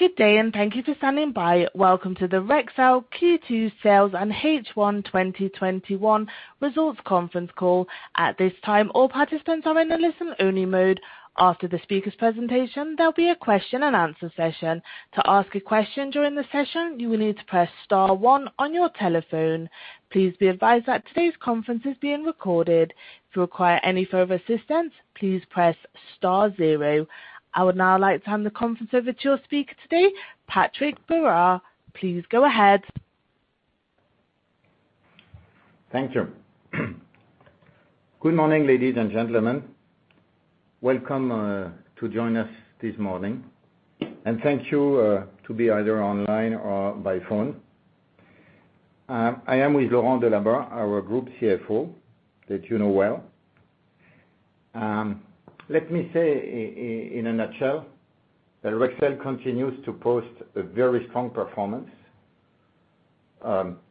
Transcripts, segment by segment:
Good day. Thank you for standing by. Welcome to the Rexel Q2 Sales and H1 2021 Results Conference Call. At this time, all participants are in a listen-only mode. After the speakers' presentation, there will be a question and answer session. To ask a question during the session, you will need to press star one on your telephone. Please be advised that today's conference is being recorded. If you require any further assistance, please press star zero. I would now like to hand the conference over to your speaker today, Patrick Berard. Please go ahead. Thank you. Good morning, ladies and gentlemen. Welcome to join us this morning. Thank you to be either online or by phone. I am with Laurent Delabarre, our Group CFO, that you know well. Let me say in a nutshell that Rexel continues to post a very strong performance,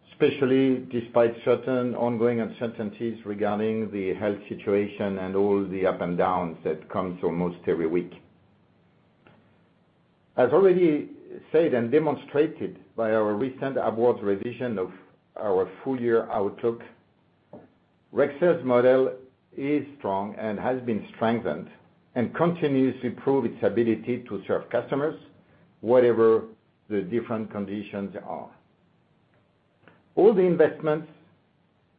especially despite certain ongoing uncertainties regarding the health situation and all the ups and downs that comes almost every week. As already said and demonstrated by our recent upwards revision of our full year outlook, Rexel's model is strong and has been strengthened and continues to prove its ability to serve customers whatever the different conditions are. All the investments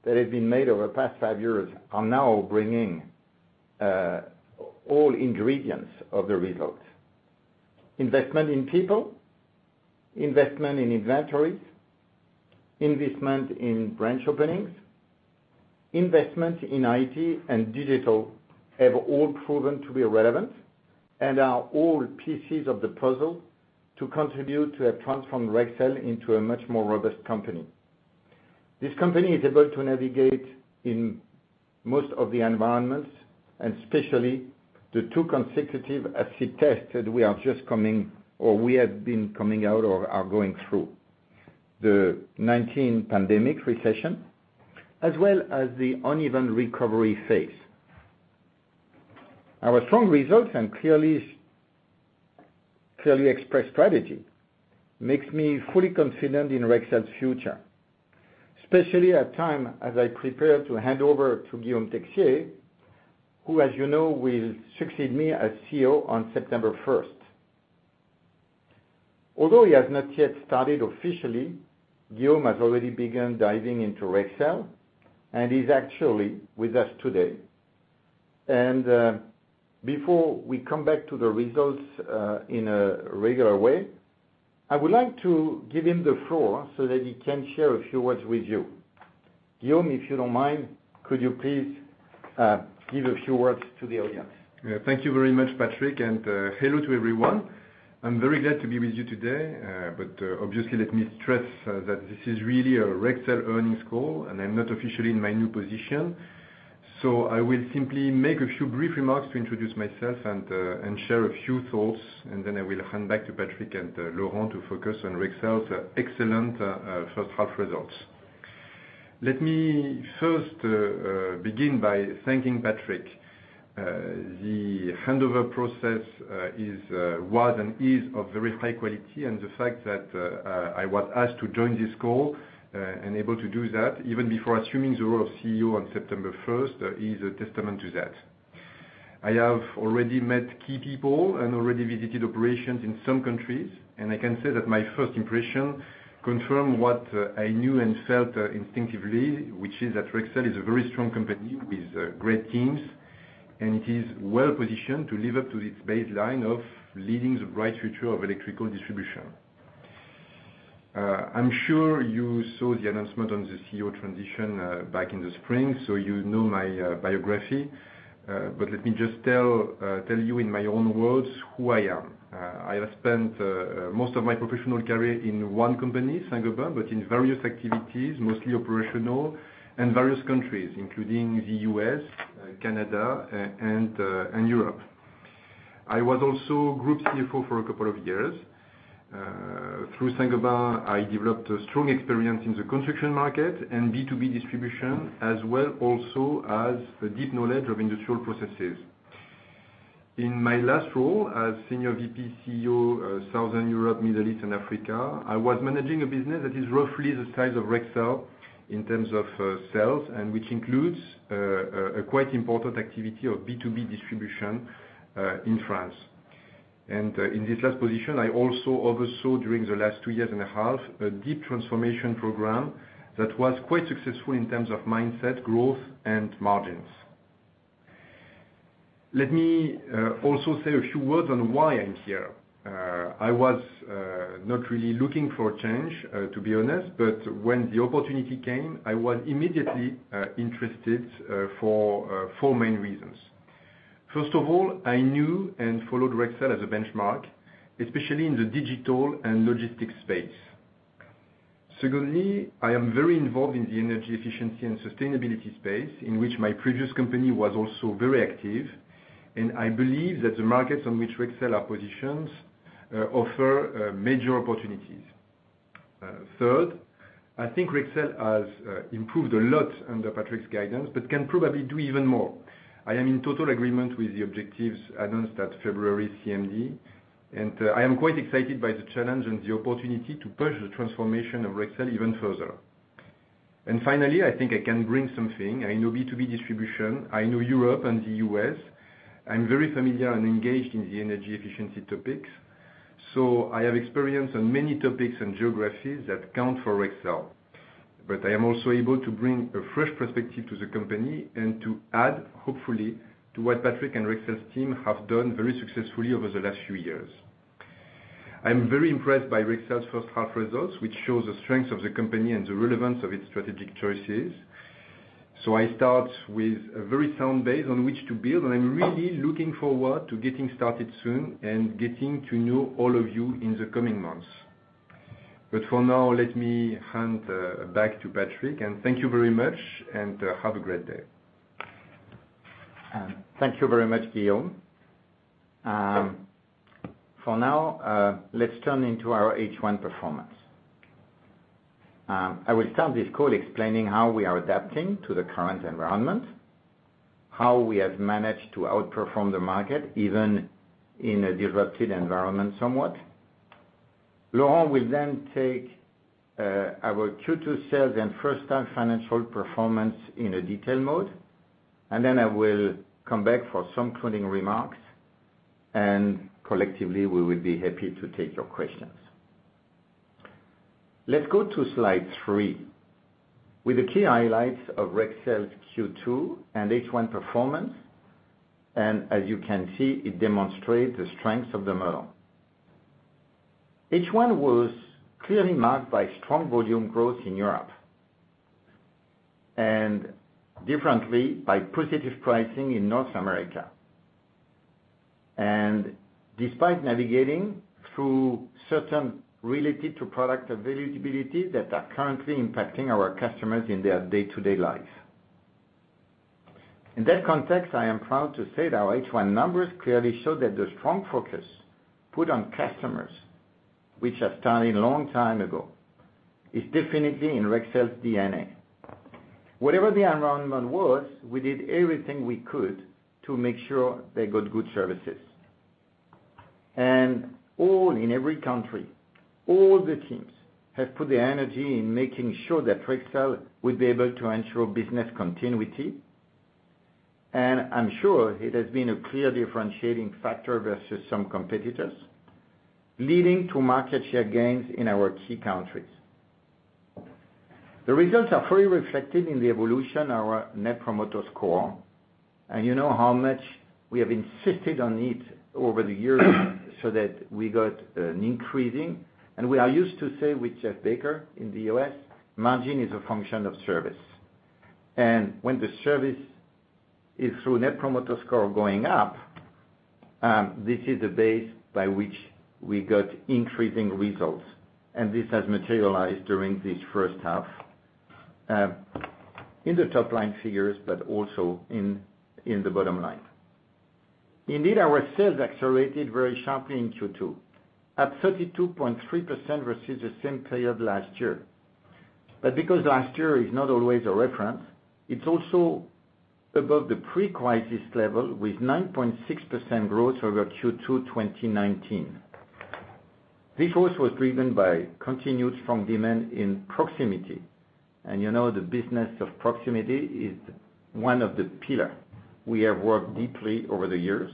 that have been made over the past five years are now bringing all ingredients of the results. Investment in people, investment in inventories, investment in branch openings, investment in IT and digital have all proven to be relevant and are all pieces of the puzzle to contribute to have transformed Rexel into a much more robust company. This company is able to navigate in most of the environments, especially the two consecutive acid tests that we are just coming, or we have been coming out or are going through, the COVID-19 pandemic recession, as well as the uneven recovery phase. Our strong results and clearly expressed strategy makes me fully confident in Rexel's future, especially at time as I prepare to hand over to Guillaume Texier, who, as you know, will succeed me as CEO on September 1st. Although he has not yet started officially, Guillaume has already begun diving into Rexel and is actually with us today. Before we come back to the results in a regular way, I would like to give him the floor so that he can share a few words with you. Guillaume, if you don't mind, could you please give a few words to the audience? Thank you very much, Patrick, and hello to everyone. I am very glad to be with you today. Obviously, let me stress that this is really a Rexel earnings call, and I am not officially in my new position, so I will simply make a few brief remarks to introduce myself and share a few thoughts, and then I will hand back to Patrick and Laurent to focus on Rexel's excellent first half results. Let me first begin by thanking Patrick. The handover process was and is of very high quality and the fact that I was asked to join this call and able to do that even before assuming the role of CEO on September 1st is a testament to that. I have already met key people and already visited operations in some countries, and I can say that my first impression confirm what I knew and felt instinctively, which is that Rexel is a very strong company with great teams, and it is well-positioned to live up to its baseline of leading the bright future of electrical distribution. I'm sure you saw the announcement on the CEO transition back in the spring, so you know my biography. Let me just tell you in my own words who I am. I have spent most of my professional career in one company, Saint-Gobain, but in various activities, mostly operational, and various countries, including the U.S., Canada, and Europe. I was also group CFO for a couple of years. Through Saint-Gobain, I developed a strong experience in the construction market and B2B distribution, as well also as a deep knowledge of industrial processes. In my last role as Senior VP and CEO, Southern Europe, Middle East, and Africa, I was managing a business that is roughly the size of Rexel in terms of sales and which includes a quite important activity of B2B distribution in France. In this last position, I also oversaw during the last two years and a half a deep transformation program that was quite successful in terms of mindset, growth and margins. Let me also say a few words on why I'm here. I was not really looking for a change, to be honest, but when the opportunity came, I was immediately interested for four main reasons. First of all, I knew and followed Rexel as a benchmark, especially in the digital and logistics space. Secondly, I am very involved in the energy efficiency and sustainability space, in which my previous company was also very active, and I believe that the markets on which Rexel are positioned offer major opportunities. Third, I think Rexel has improved a lot under Patrick's guidance, but can probably do even more. I am in total agreement with the objectives announced at February CMD, I am quite excited by the challenge and the opportunity to push the transformation of Rexel even further. Finally, I think I can bring something. I know B2B distribution. I know Europe and the U.S. I'm very familiar and engaged in the energy efficiency topics. I have experience on many topics and geographies that count for Rexel. I am also able to bring a fresh perspective to the company and to add, hopefully, to what Patrick and Rexel's team have done very successfully over the last few years. I'm very impressed by Rexel's first half results, which show the strength of the company and the relevance of its strategic choices. I start with a very sound base on which to build, and I'm really looking forward to getting started soon and getting to know all of you in the coming months. For now, let me hand back to Patrick, and thank you very much, and have a great day. Thank you very much, Guillaume. Let's turn into our H1 performance. I will start this call explaining how we are adapting to the current environment, how we have managed to outperform the market, even in a disrupted environment somewhat. Laurent will then take our Q2 sales and first half financial performance in a detailed mode, and then I will come back for some concluding remarks. Collectively, we will be happy to take your questions. Let's go to slide three, with the key highlights of Rexel's Q2 and H1 performance. As you can see, it demonstrates the strengths of the model. H1 was clearly marked by strong volume growth in Europe and differently by positive pricing in North America. Despite navigating through certain related to product availabilities that are currently impacting our customers in their day-to-day life. In that context, I am proud to say our H1 numbers clearly show that the strong focus put on customers, which have started a long time ago, is definitely in Rexel's DNA. Whatever the environment was, we did everything we could to make sure they got good services. All in every country, all the teams have put their energy in making sure that Rexel would be able to ensure business continuity. I'm sure it has been a clear differentiating factor versus some competitors, leading to market share gains in our key countries. The results are fully reflected in the evolution of our Net Promoter Score. You know how much we have insisted on it over the years so that we got an increasing. We are used to say with Jeff Baker in the U.S., margin is a function of service. When the service is through Net Promoter Score going up, this is the base by which we got increasing results. This has materialized during this first half in the top-line figures, but also in the bottom line. Indeed, our sales accelerated very sharply in Q2 at 32.3% versus the same period last year. Because last year is not always a reference, it's also above the pre-crisis level with 9.6% growth over Q2 2019. This also was driven by continued strong demand in proximity. You know the business of proximity is one of the pillar we have worked deeply over the years.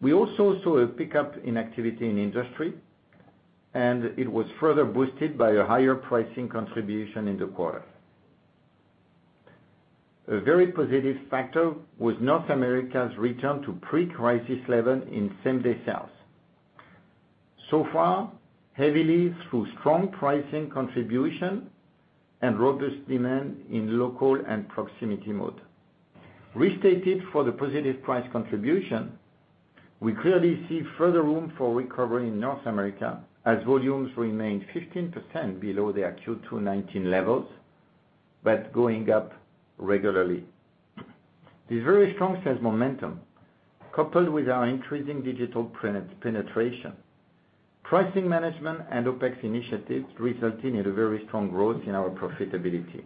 We also saw a pickup in activity in industry, and it was further boosted by a higher pricing contribution in the quarter. A very positive factor was North America's return to pre-crisis level in same-day sales. Far, heavily through strong pricing contribution and robust demand in local and proximity mode. Restated for the positive price contribution, we clearly see further room for recovery in North America as volumes remain 15% below their Q2 2019 levels, but going up regularly. This very strong sales momentum, coupled with our increasing digital penetration, pricing management, and OpEX initiatives, resulting in a very strong growth in our profitability.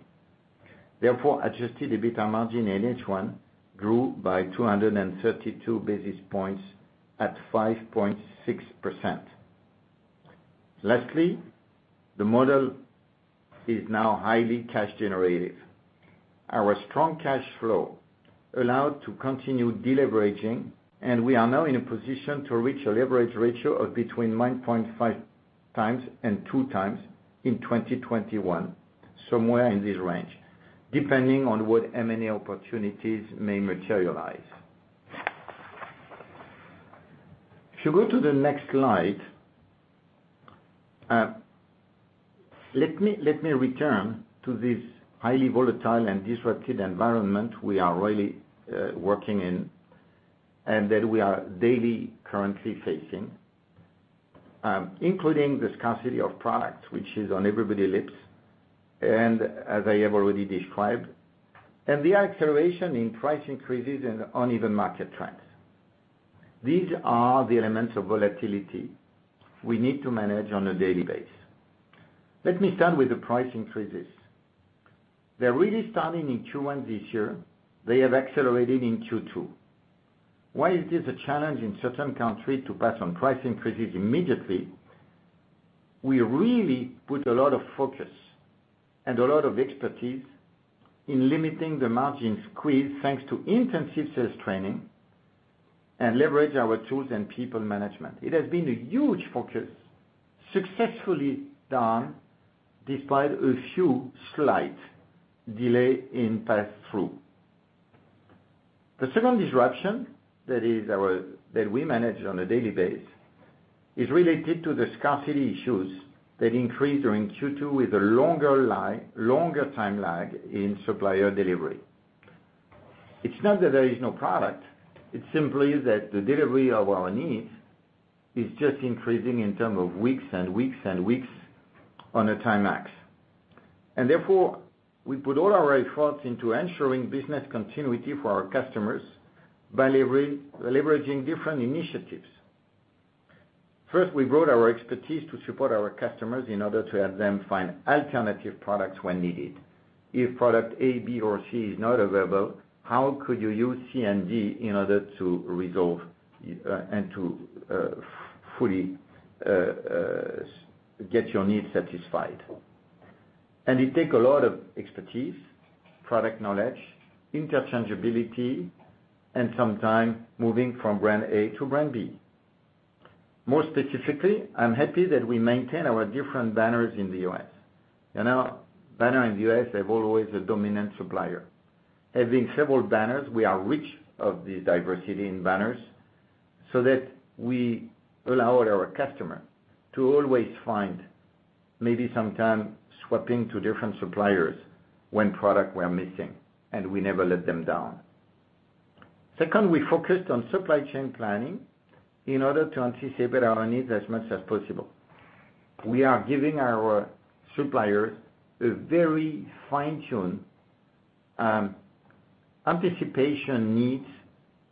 Adjusted EBITDA margin in H1 grew by 232 basis points at 5.6%. Lastly, the model is now highly cash generative. Our strong cash flow allowed to continue deleveraging, and we are now in a position to reach a leverage ratio of between 9.5x and 2x in 2021, somewhere in this range, depending on what M&A opportunities may materialize. If you go to the next slide, let me return to this highly volatile and disrupted environment we are really working in and that we are daily currently facing, including the scarcity of products which is on everybody's lips and as I have already described, and the acceleration in price increases and uneven market trends. These are the elements of volatility we need to manage on a daily basis. Let me start with the price increases. They are really starting in Q1 this year. They have accelerated in Q2. While it is a challenge in certain countries to pass on price increases immediately, we really put a lot of focus and a lot of expertise in limiting the margin squeeze, thanks to intensive sales training and leverage our tools and people management. It has been a huge focus successfully done despite a few slight delays in pass-through. The second disruption that we manage on a daily basis is related to the scarcity issues that increased during Q2 with a longer time lag in supplier delivery. It's not that there is no product, it's simply that the delivery of our needs is just increasing in terms of weeks and weeks and weeks on a time axis. Therefore, we put all our efforts into ensuring business continuity for our customers by leveraging different initiatives. First, we brought our expertise to support our customers in order to help them find alternative products when needed. If product A, B, or C is not available, how could you use C and D in order to resolve and to fully get your needs satisfied? It takes a lot of expertise, product knowledge, interchangeability, and some time moving from brand A to brand B. More specifically, I'm happy that we maintain our different banners in the U.S. Banner in the U.S., they have always a dominant supplier. Having several banners, we are rich of this diversity in banners, so that we allow our customer to always find maybe sometime swapping to different suppliers when product we're missing, and we never let them down. Second, we focused on supply chain planning in order to anticipate our needs as much as possible. We are giving our suppliers a very fine-tuned anticipation needs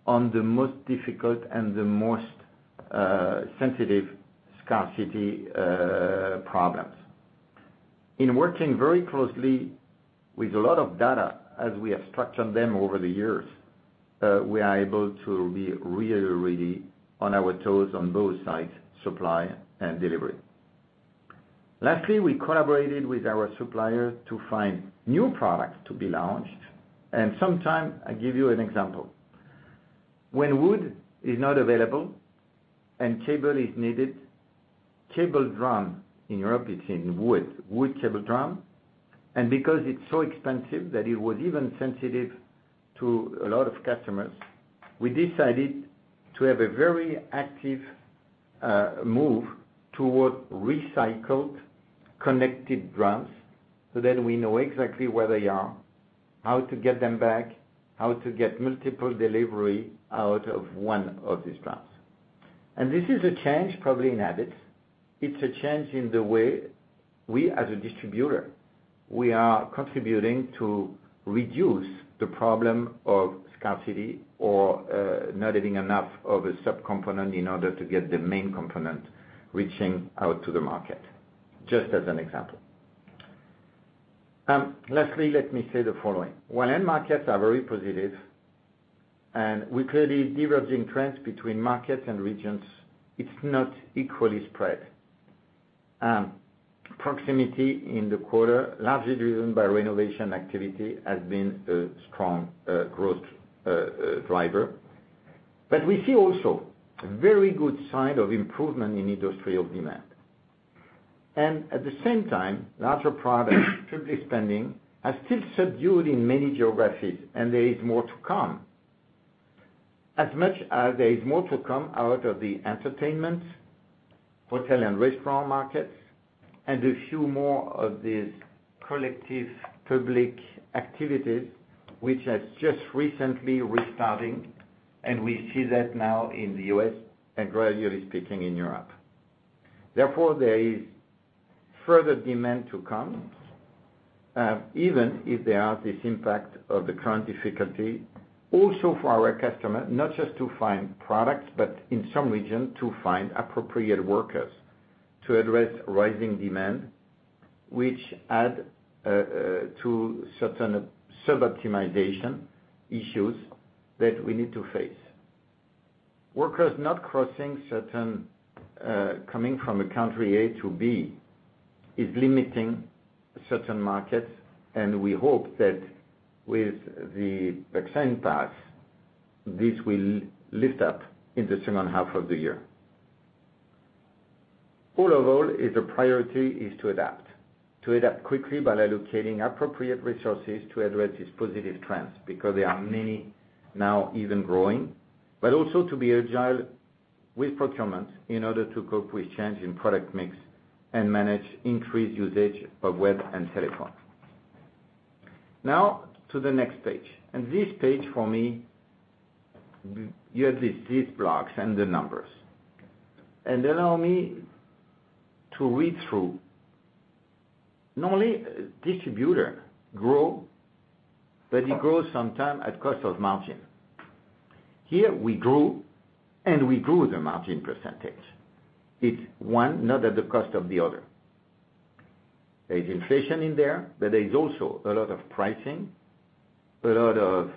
on the most difficult and the most sensitive scarcity problems. In working very closely with a lot of data as we have structured them over the years, we are able to be really ready on our toes on both sides, supply and delivery. Lastly, we collaborated with our supplier to find new products to be launched, and sometime, I give you an example. When wood is not available and cable is needed, cable drum, in Europe it's in wood cable drum. Because it's so expensive that it was even sensitive to a lot of customers, we decided to have a very active move toward recycled, connected drums so that we know exactly where they are, how to get them back, how to get multiple delivery out of one of these drums. This is a change probably in habits. It's a change in the way we as a distributor, we are contributing to reduce the problem of scarcity or not having enough of a sub-component in order to get the main component reaching out to the market, just as an example. Lastly, let me say the following. When end markets are very positive and we're clearly diverging trends between markets and regions, it's not equally spread. Proximity in the quarter, largely driven by renovation activity, has been a strong growth driver. We see also a very good sign of improvement in industrial demand. At the same time, larger products, strictly spending, are still subdued in many geographies, and there is more to come. As much as there is more to come out of the entertainment, hotel and restaurant markets and a few more of these collective public activities, which has just recently restarting, and we see that now in the U.S. and gradually speaking in Europe. Therefore, there is further demand to come, even if there are this impact of the current difficulty also for our customer, not just to find products, but in some region to find appropriate workers to address rising demand, which add to certain sub-optimization issues that we need to face. Workers not crossing coming from a country A to B is limiting certain markets, and we hope that with the vaccine pass, this will lift up in the second half of the year. All of all, the priority is to adapt. To adapt quickly by allocating appropriate resources to address these positive trends because there are many now even growing, but also to be agile with procurement in order to cope with change in product mix and manage increased usage of web and telephone. To the next page. This page for me, you have these blocks and the numbers. Allow me to read through. Normally, distributor grow, but he grows sometime at cost of margin. Here, we grew, and we grew the margin percentage. It's one, not at the cost of the other. There is inflation in there, but there is also a lot of pricing, a lot of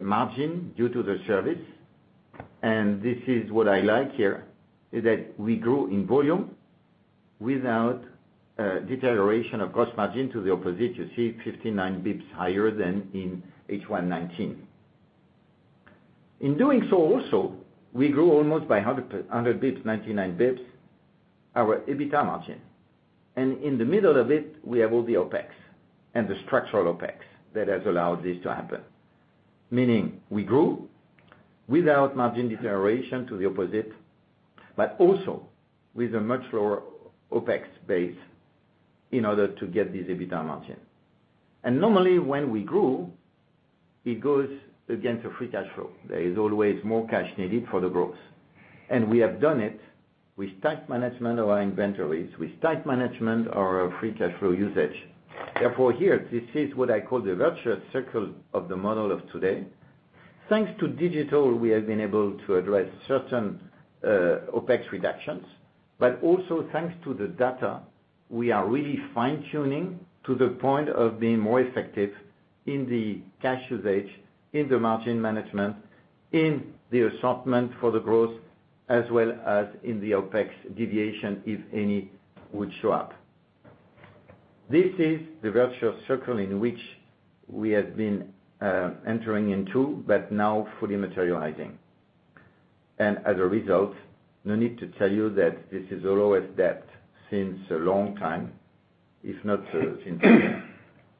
margin due to the service. This is what I like here, is that we grow in volume without deterioration of gross margin. To the opposite, you see 59 basis points higher than in H1-2019. In doing so also, we grew almost by 100 basis points, 99 basis points, our EBITDA margin. In the middle of it, we have all the OpEx and the structural OpEx that has allowed this to happen. Meaning we grew without margin deterioration to the opposite, but also with a much lower OpEx base in order to get this EBITDA margin. Normally, when we grow, it goes against a free cash flow. There is always more cash needed for the growth. We have done it with tight management of our inventories, with tight management of our free cash flow usage. Therefore, here, this is what I call the virtual circle of the model of today. Thanks to digital, we have been able to address certain OpEx reductions, but also thanks to the data, we are really fine-tuning to the point of being more effective in the cash usage, in the margin management, in the assortment for the growth, as well as in the OpEx deviation, if any would show up. This is the virtual circle in which we have been entering into, but now fully materializing. As a result, no need to tell you that this is the lowest debt since a long time, if not since ever,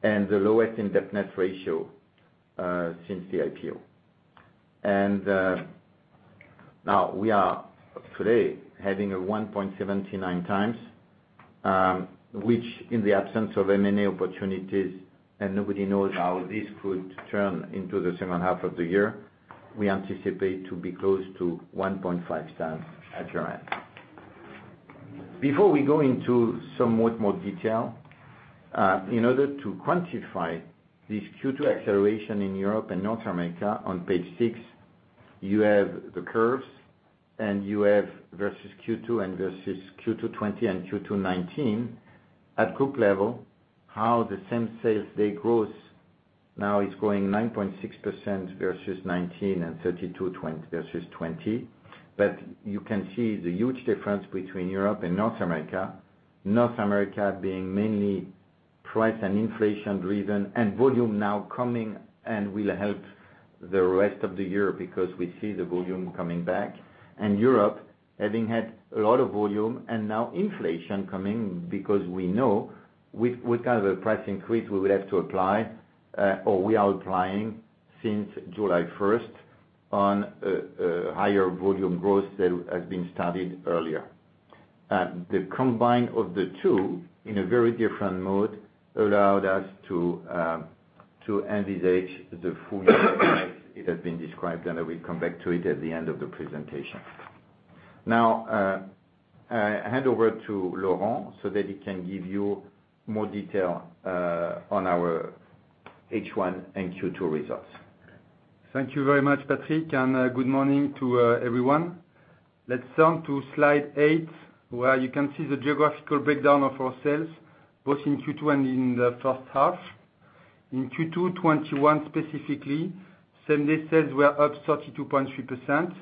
and the lowest in debt net ratio since the IPO. Now we are today having a 1.79x, which in the absence of M&A opportunities, nobody knows how this could turn into the second half of the year, we anticipate to be close to 1.5x at year-end. Before we go into somewhat more detail, in order to quantify this Q2 acceleration in Europe and North America, on page six, you have the curves and you have versus Q2 and versus Q2 2020 and Q2 2019. At group level, how the same-day sales growth now is growing 9.6% versus 2019 and 32.20% versus 2020. You can see the huge difference between Europe and North America. North America being mainly price and inflation driven and volume now coming and will help the rest of the year because we see the volume coming back. Europe having had a lot of volume and now inflation coming because we know with what kind of a price increase we will have to apply, or we are applying since July 1st on higher volume growth that has been started earlier. The combine of the two in a very different mode allowed us to envisage the full year impact it has been described, and I will come back to it at the end of the presentation. Now, I hand over to Laurent so that he can give you more detail on our H1 and Q2 results. Thank you very much, Patrick, and good morning to everyone. Let's turn to slide eight, where you can see the geographical breakdown of our sales, both in Q2 and in the first half. In Q2 2021 specifically, same-day sales were up 32.3%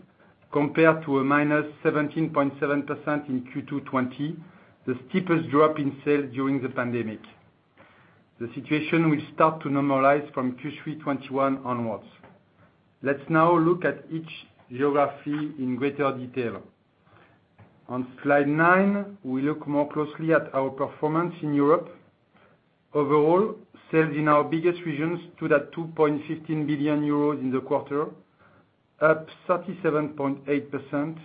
compared to a -17.7% in Q2 2020, the steepest drop in sales during the pandemic. The situation will start to normalize from Q3 2021 onwards. Let's now look at each geography in greater detail. On slide nine, we look more closely at our performance in Europe. Overall, sales in our biggest regions stood at 2.15 billion euros in the quarter, up 37.8%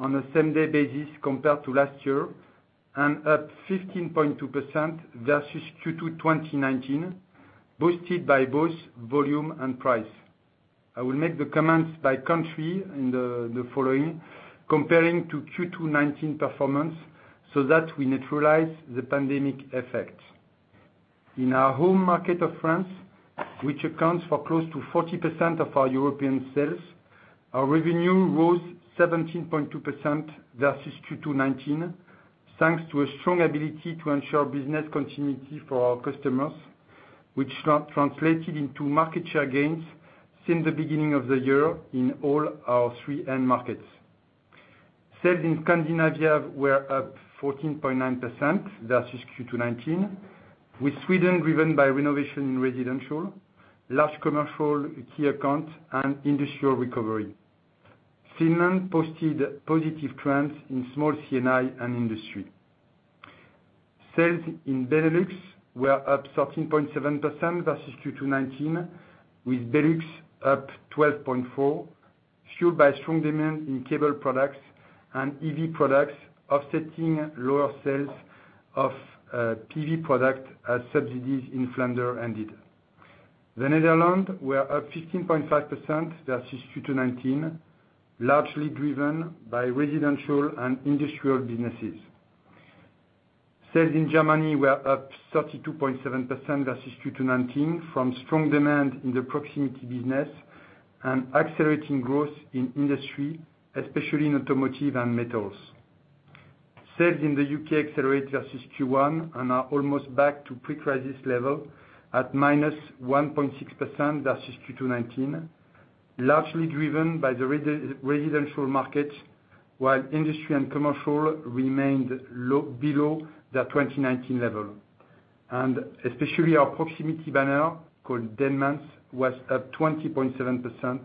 on a same-day basis compared to last year, and up 15.2% versus Q2 2019, boosted by both volume and price. I will make the comments by country in the following, comparing to Q2 2019 performance so that we neutralize the pandemic effect. In our home market of France, which accounts for close to 40% of our European sales, our revenue rose 17.2% versus Q2 2019, thanks to a strong ability to ensure business continuity for our customers, which translated into market share gains since the beginning of the year in all our three end markets. Sales in Scandinavia were up 14.9% versus Q2 2019, with Sweden driven by renovation in residential, large commercial key account, and industrial recovery. Finland posted positive trends in small C&I and industry. Sales in Benelux were up 13.7% versus Q2 2019, with Benelux up 12.4%, fueled by strong demand in cable products and EV products offsetting lower sales of PV product as subsidies in Flanders ended. The Netherlands were up 15.5% versus Q2 2019, largely driven by residential and industrial businesses. Sales in Germany were up 32.7% versus Q2 2019 from strong demand in the proximity business and accelerating growth in industry, especially in automotive and metals. Sales in the U.K. accelerated versus Q1 and are almost back to pre-crisis level at -1.6% versus Q2 2019, largely driven by the residential market, while industry and commercial remained below their 2019 level. Especially our proximity banner, called Denmans, was up 20.7%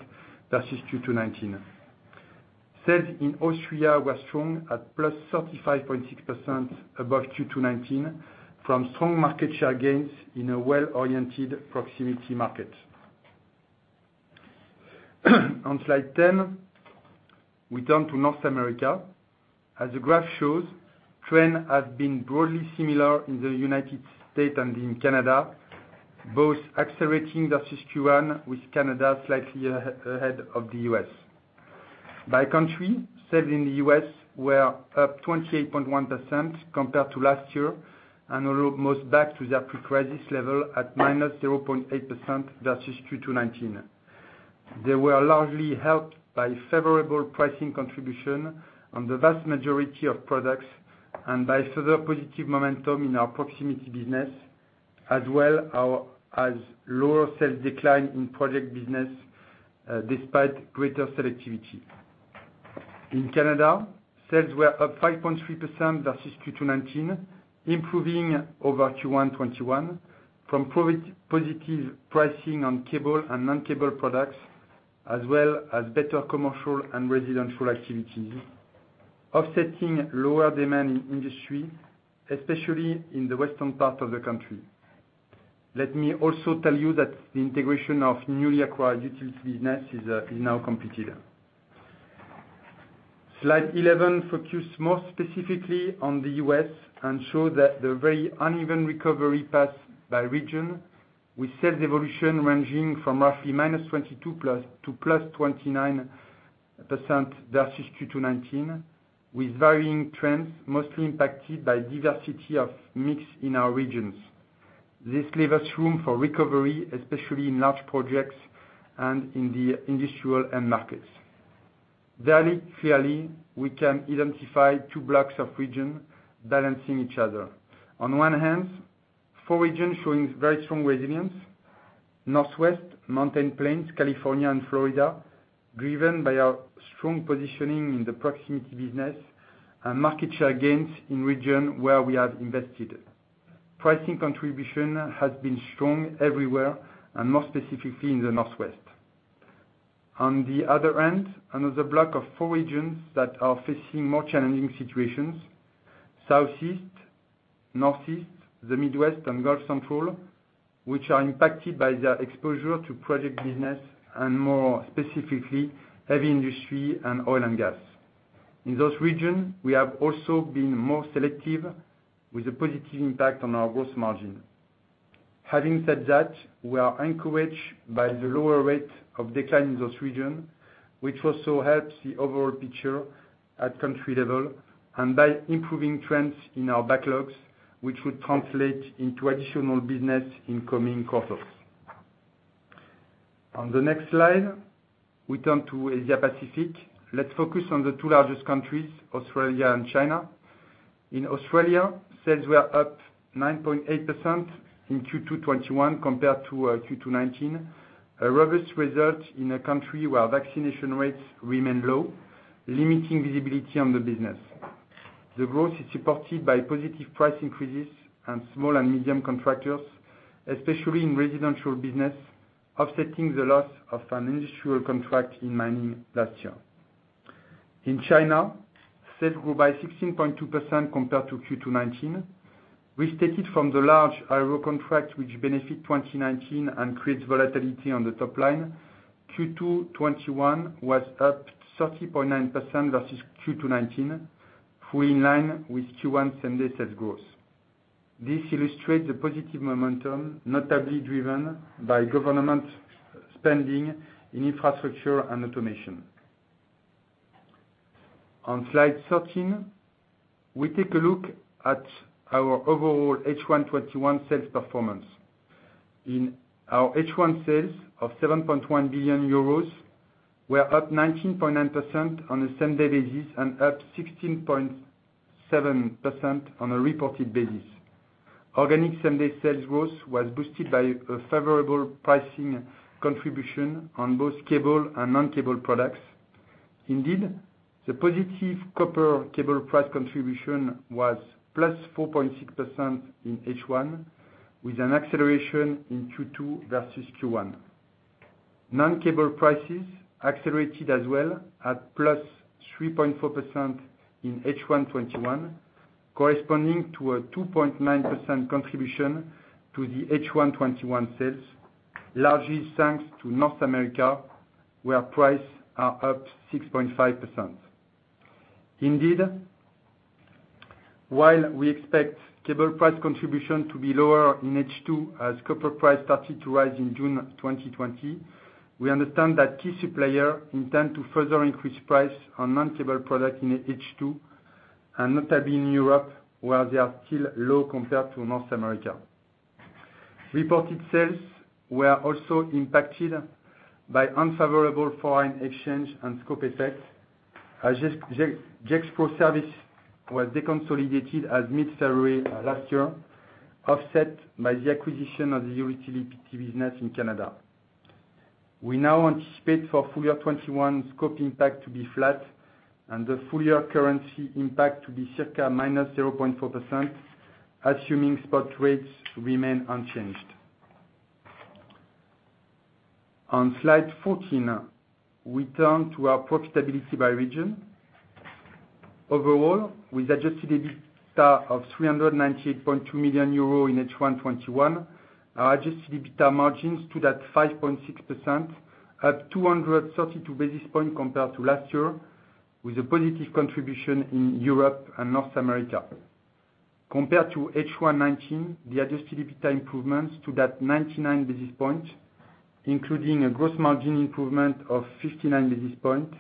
versus Q2 2019. Sales in Austria were strong at +35.6% above Q2 2019 from strong market share gains in a well-oriented proximity market. On slide 10, we turn to North America. As the graph shows, trend has been broadly similar in the United States and in Canada, both accelerating versus Q1 with Canada slightly ahead of the U.S. By country, sales in the U.S. were up 28.1% compared to last year and are almost back to their pre-crisis level at -0.8% versus Q2 2019. They were largely helped by favorable pricing contribution on the vast majority of products and by further positive momentum in our proximity business, as well as lower sales decline in project business despite greater selectivity. In Canada, sales were up 5.3% versus Q2 2019, improving over Q1 2021 from positive pricing on cable and non-cable products, as well as better commercial and residential activities, offsetting lower demand in industry, especially in the western part of the country. Let me also tell you that the integration of newly acquired utility business is now completed. Slide 11 focus more specifically on the U.S. and show that the very uneven recovery path by region, with sales evolution ranging from roughly -22% to +29% versus Q2 2019, with varying trends mostly impacted by diversity of mix in our regions. This leaves room for recovery, especially in large projects and in the industrial end markets. Very clearly, we can identify two blocks of region balancing each other. On one hand, four regions showing very strong resilience: Northwest, Mountain Plains, California, and Florida, driven by our strong positioning in the proximity business and market share gains in region where we have invested. Pricing contribution has been strong everywhere and more specifically in the Northwest. On the other hand, another block of four regions that are facing more challenging situations: Southeast, Northeast, the Midwest, and Gulf Central, which are impacted by their exposure to project business and more specifically, heavy industry and oil and gas. In those regions, we have also been more selective, with a positive impact on our gross margin. Having said that, we are encouraged by the lower rate of decline in those regions, which also helps the overall picture at country level and by improving trends in our backlogs, which would translate into additional business in coming quarters. On the next slide, we turn to Asia Pacific. Let's focus on the two largest countries, Australia and China. In Australia, sales were up 9.8% in Q2 2021 compared to Q2 2019, a robust result in a country where vaccination rates remain low, limiting visibility on the business. The growth is supported by positive price increases and small and medium contractors, especially in residential business, offsetting the loss of an industrial contract in mining last year. In China, sales grew by 16.2% compared to Q2 2019. Restated from the large aero contract which benefit 2019 and creates volatility on the top line, Q2 2021 was up 30.9% versus Q2 2019, fully in line with Q1 same-day sales growth. This illustrates the positive momentum, notably driven by government spending in infrastructure and automation. On slide 13, we take a look at our overall H1 2021 sales performance. In our H1 sales of 7.1 billion euros, we are up 19.9% on a same-day basis and up 16.7% on a reported basis. Organic same-day sales growth was boosted by a favorable pricing contribution on both cable and non-cable products. Indeed, the positive copper cable price contribution was +4.6% in H1 2021, with an acceleration in Q2 versus Q1. Non-cable prices accelerated as well at +3.4% in H1 2021, corresponding to a 2.9% contribution to the H1 2021 sales, largely thanks to North America, where price are up 6.5%. Indeed, while we expect cable price contribution to be lower in H2 as copper price started to rise in June 2020, we understand that key supplier intend to further increase price on non-cable product in H2, and notably in Europe, where they are still low compared to North America. Reported sales were also impacted by unfavorable foreign exchange and scope effects, as Gexpro Services was deconsolidated as mid-February last year, offset by the acquisition of the utility business in Canada. We now anticipate for full year 2021 scope impact to be flat and the full year currency impact to be circa -0.4%, assuming spot rates remain unchanged. On slide 14, we turn to our profitability by region. Overall, with adjusted EBITDA of 398.2 million euro in H1 2021, our adjusted EBITDA margins stood at 5.6%, up 232 basis points compared to last year, with a positive contribution in Europe and North America. Compared to H1 2019, the adjusted EBITDA improvements to that 99 basis points, including a gross margin improvement of 59 basis points,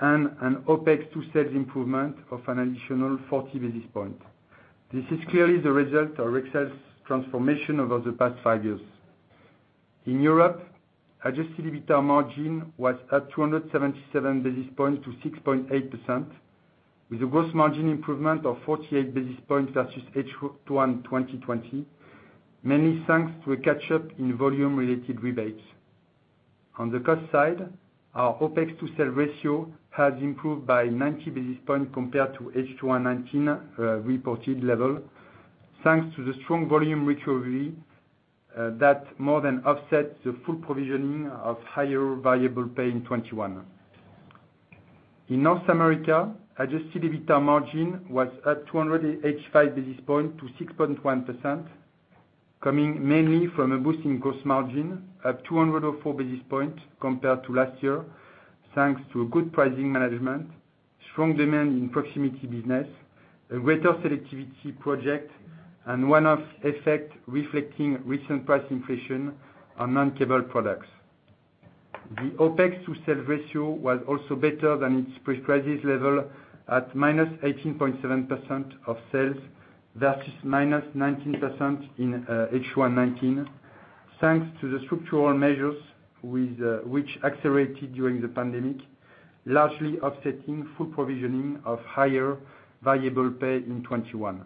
and an OpEx to sales improvement of an additional 40 basis points. This is clearly the result of Rexel's transformation over the past five years. In Europe, adjusted EBITDA margin was at 277 basis points to 6.8%, with a gross margin improvement of 48 basis points versus H1 2020, mainly thanks to a catch-up in volume-related rebates. On the cost side, our OpEx to sales ratio has improved by 90 basis points compared to H1 2019 reported level, thanks to the strong volume recovery that more than offsets the full provisioning of higher variable pay in 2021. In North America, adjusted EBITDA margin was at 285 basis points to 6.1%, coming mainly from a boost in cost margin up 204 basis points compared to last year, thanks to a good pricing management, strong demand in proximity business, a greater selectivity project, and one-off effect reflecting recent price inflation on non-cable products. The OpEx to sales ratio was also better than its pre-crisis level at -18.7% of sales versus -19% in H1 2019, thanks to the structural measures which accelerated during the pandemic, largely offsetting full provisioning of higher variable pay in 2021.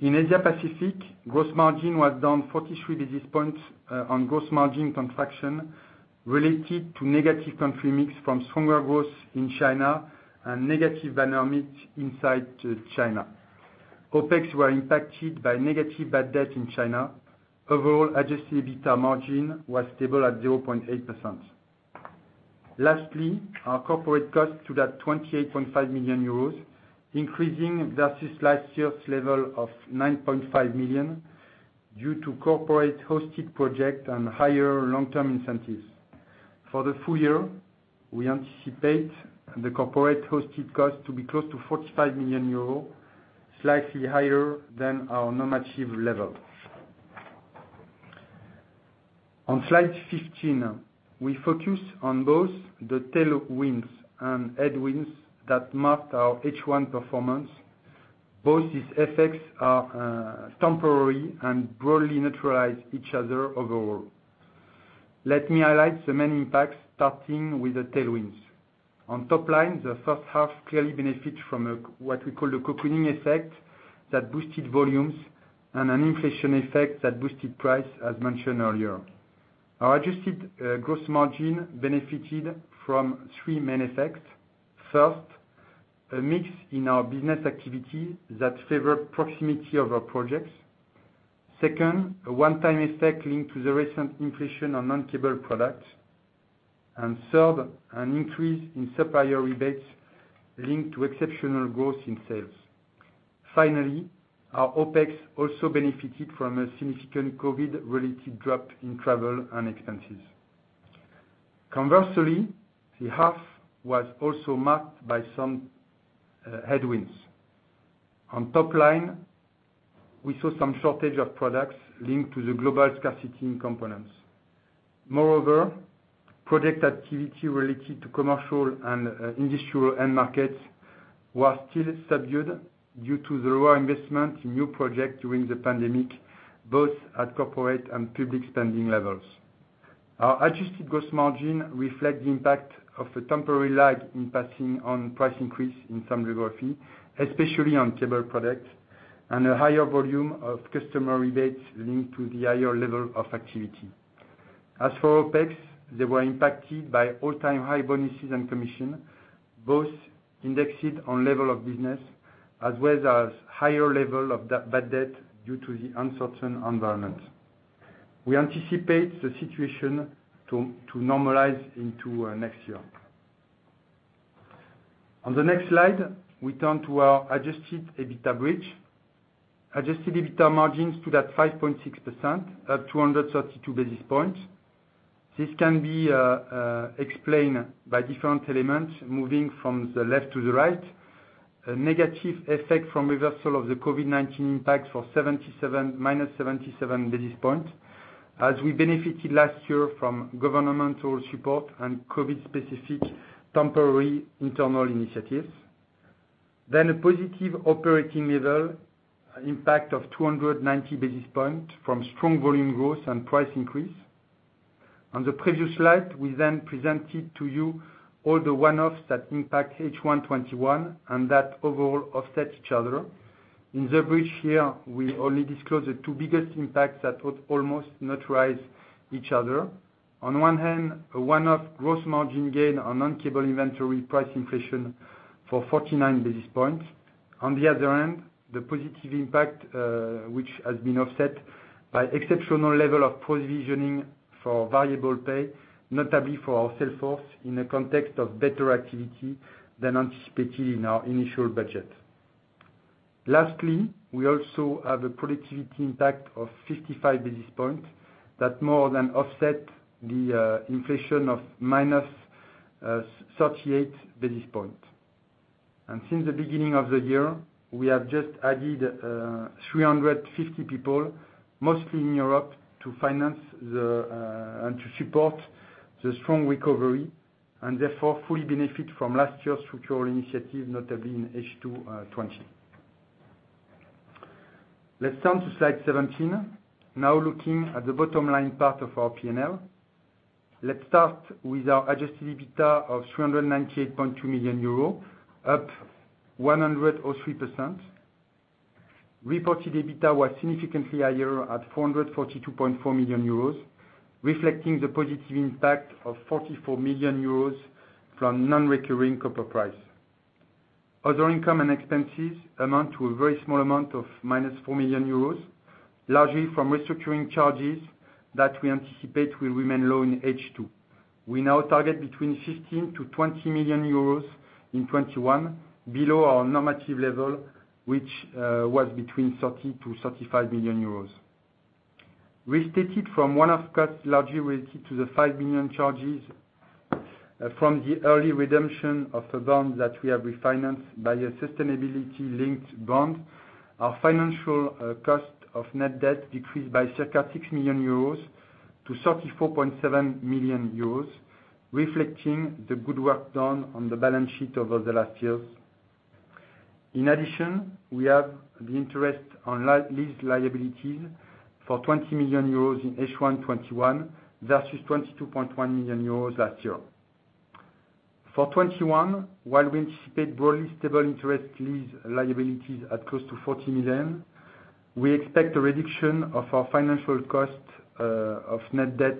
In Asia Pacific, gross margin was down 43 basis points on gross margin contraction related to negative country mix from stronger growth in China and negative dynamic inside China. OpEx were impacted by negative bad debt in China. Overall, adjusted EBITDA margin was stable at 0.8%. Lastly, our corporate cost to that 28.5 million euros, increasing versus last year's level of 9.5 million due to corporate hosted project and higher long-term incentives. For the full year, we anticipate the corporate hosted cost to be close to 45 million euros, slightly higher than our normative level. On slide 15, we focus on both the tailwinds and headwinds that marked our H1 performance. Both these effects are temporary and broadly neutralize each other overall. Let me highlight the main impacts, starting with the tailwinds. On top line, the first half clearly benefit from what we call the cocooning effect that boosted volumes and an inflation effect that boosted price, as mentioned earlier. Our adjusted gross margin benefited from three main effects. First, a mix in our business activity that favored proximity of our projects. Second, a one-time effect linked to the recent inflation on non-cable product. Third, an increase in supplier rebates linked to exceptional growth in sales. Finally, our OpEx also benefited from a significant COVID-related drop in travel and expenses. Conversely, the half was also marked by some headwinds. On top line, we saw some shortage of products linked to the global scarcity in components. Moreover, project activity related to commercial and industrial end markets was still subdued due to the lower investment in new project during the pandemic, both at corporate and public spending levels. Our adjusted gross margin reflect the impact of a temporary lag in passing on price increase in some geography, especially on cable product, and a higher volume of customer rebates linked to the higher level of activity. As for OpEx, they were impacted by all-time high bonuses and commission, both indexed on level of business as well as higher level of bad debt due to the uncertain environment. We anticipate the situation to normalize into next year. On the next slide, we turn to our adjusted EBITDA bridge. Adjusted EBITDA margins stood at 5.6%, up 232 basis points. This can be explained by different elements moving from the left to the right. A negative effect from reversal of the COVID-19 impact for -77 basis points, as we benefited last year from governmental support and COVID-specific temporary internal initiatives. A positive operating level impact of 290 basis points from strong volume growth and price increase. On the previous slide, we then presented to you all the one-offs that impact H1 2021, and that overall offset each other. In the bridge here, we only disclose the two biggest impacts that would almost neutralize each other. On one hand, a one-off gross margin gain on non-cable inventory price inflation for 49 basis points. On the other hand, the positive impact, which has been offset by exceptional level of provisioning for variable pay, notably for our sales force, in a context of better activity than anticipated in our initial budget. Lastly, we also have a productivity impact of 55 basis points that more than offset the inflation of -38 basis points. Since the beginning of the year, we have just added 350 people, mostly in Europe, to finance and to support the strong recovery, and therefore fully benefit from last year's structural initiative, notably in H2 2020. Let's turn to slide 17. Now looking at the bottom line part of our P&L. Let's start with our adjusted EBITDA of 398.2 million euro, up 103%. Reported EBITDA was significantly higher at 442.4 million euros, reflecting the positive impact of 44 million euros from non-recurring copper price. Other income and expenses amount to a very small amount of -4 million euros, largely from restructuring charges that we anticipate will remain low in H2. We now target between 15 million to 20 million euros in 2021, below our normative level, which was between 30 million to 35 million euros. Restated from one-off costs largely related to the 5 million charges from the early redemption of a bond that we have refinanced by a sustainability-linked bond. Our financial cost of net debt decreased by circa 6 million-34.7 million euros, reflecting the good work done on the balance sheet over the last years. In addition, we have the interest on lease liabilities for 20 million euros in H1 2021, versus 22.1 million euros last year. For 2021, while we anticipate broadly stable interest lease liabilities at close to 40 million, we expect a reduction of our financial cost of net debt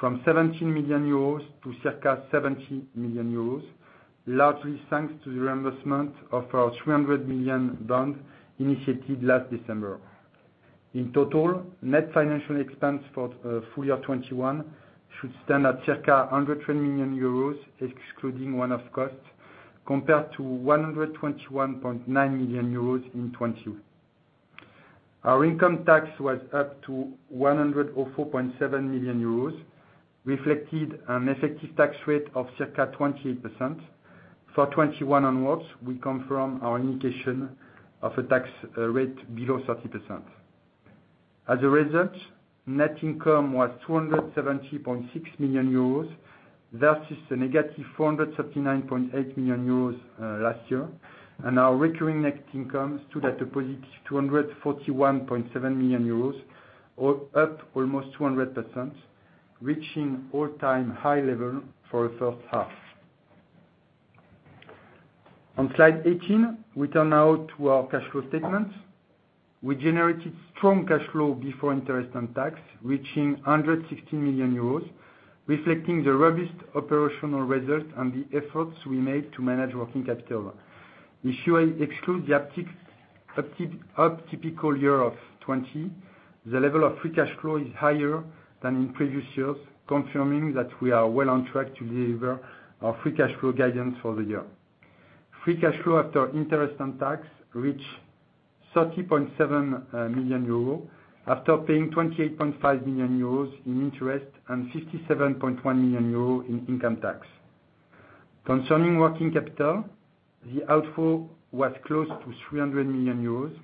from 17 million euros to circa 17 million euros, largely thanks to the reimbursement of our 300 million bond initiated last December. In total, net financial expense for full year 2021 should stand at circa 120 million euros, excluding one-off costs, compared to 121.9 million euros in 2020. Our income tax was up to 104.7 million euros, reflected an effective tax rate of circa 28%. For 2021 onwards, we confirm our indication of a tax rate below 30%. As a result, net income was 270.6 million euros, versus a -439.8 million euros last year. Our recurring net income stood at a +241.7 million euros, or up almost 100%, reaching all-time high level for the first half. On slide 18, we turn now to our cash flow statement. We generated strong cash flow before interest and tax, reaching 160 million euros, reflecting the robust operational results and the efforts we made to manage working capital. If you exclude the atypical year of 2020, the level of free cash flow is higher than in previous years, confirming that we are well on track to deliver our free cash flow guidance for the year. Free cash flow after interest and tax reached 30.7 million euros, after paying 28.5 million euros in interest and 57.1 million euros in income tax. Concerning working capital, the outflow was close to 300 million euros,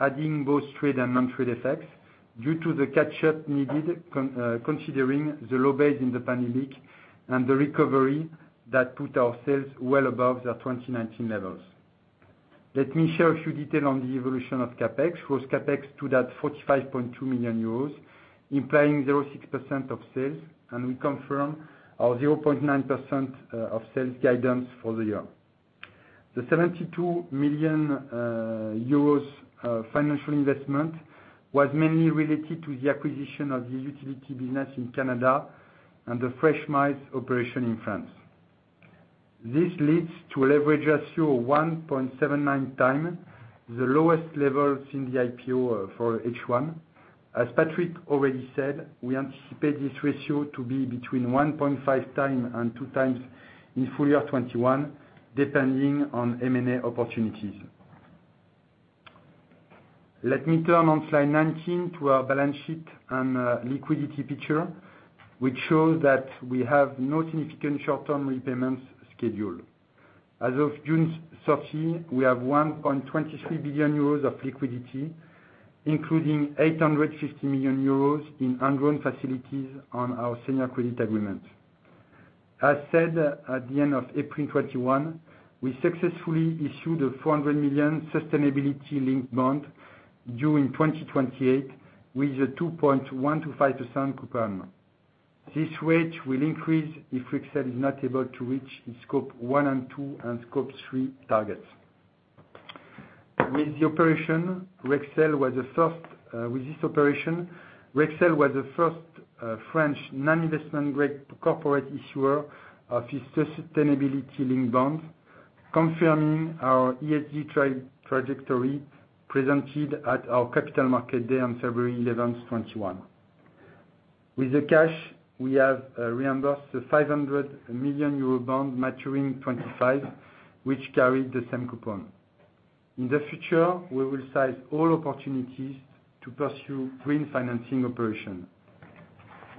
adding both trade and non-trade effects due to the catch-up needed, considering the low base in the pandemic and the recovery that put our sales well above their 2019 levels. Let me share a few detail on the evolution of CapEx. Gross CapEx stood at 45.2 million euros, implying 0.6% of sales, and we confirm our 0.9% of sales guidance for the year. The 72 million euros financial investment was mainly related to the acquisition of the utility business in Canada and the Freshmile operation in France. This leads to a leverage ratio of 1.79x, the lowest levels in the IPO for H1. As Patrick already said, we anticipate this ratio to be between 1.5x and 2x in full year 2021, depending on M&A opportunities. Let me turn on slide 19 to our balance sheet and liquidity picture, which shows that we have no significant short-term repayments scheduled. As of June 30, we have 1.23 billion euros of liquidity, including 850 million euros in undrawn facilities on our senior credit agreement. As said at the end of April 2021, we successfully issued a 400 million sustainability-linked bond during 2028 with a 2.1% to 5% coupon. This rate will increase if Rexel is not able to reach its Scope 1 and 2 and Scope 3 targets. With this operation, Rexel was the first French non-investment grade corporate issuer of a sustainability-linked bond, confirming our ESG trajectory presented at our Capital Markets Day on February 11th, 2021. With the cash, we have reimbursed the 500 million euro bond maturing 2025, which carried the same coupon. In the future, we will seize all opportunities to pursue green financing operation.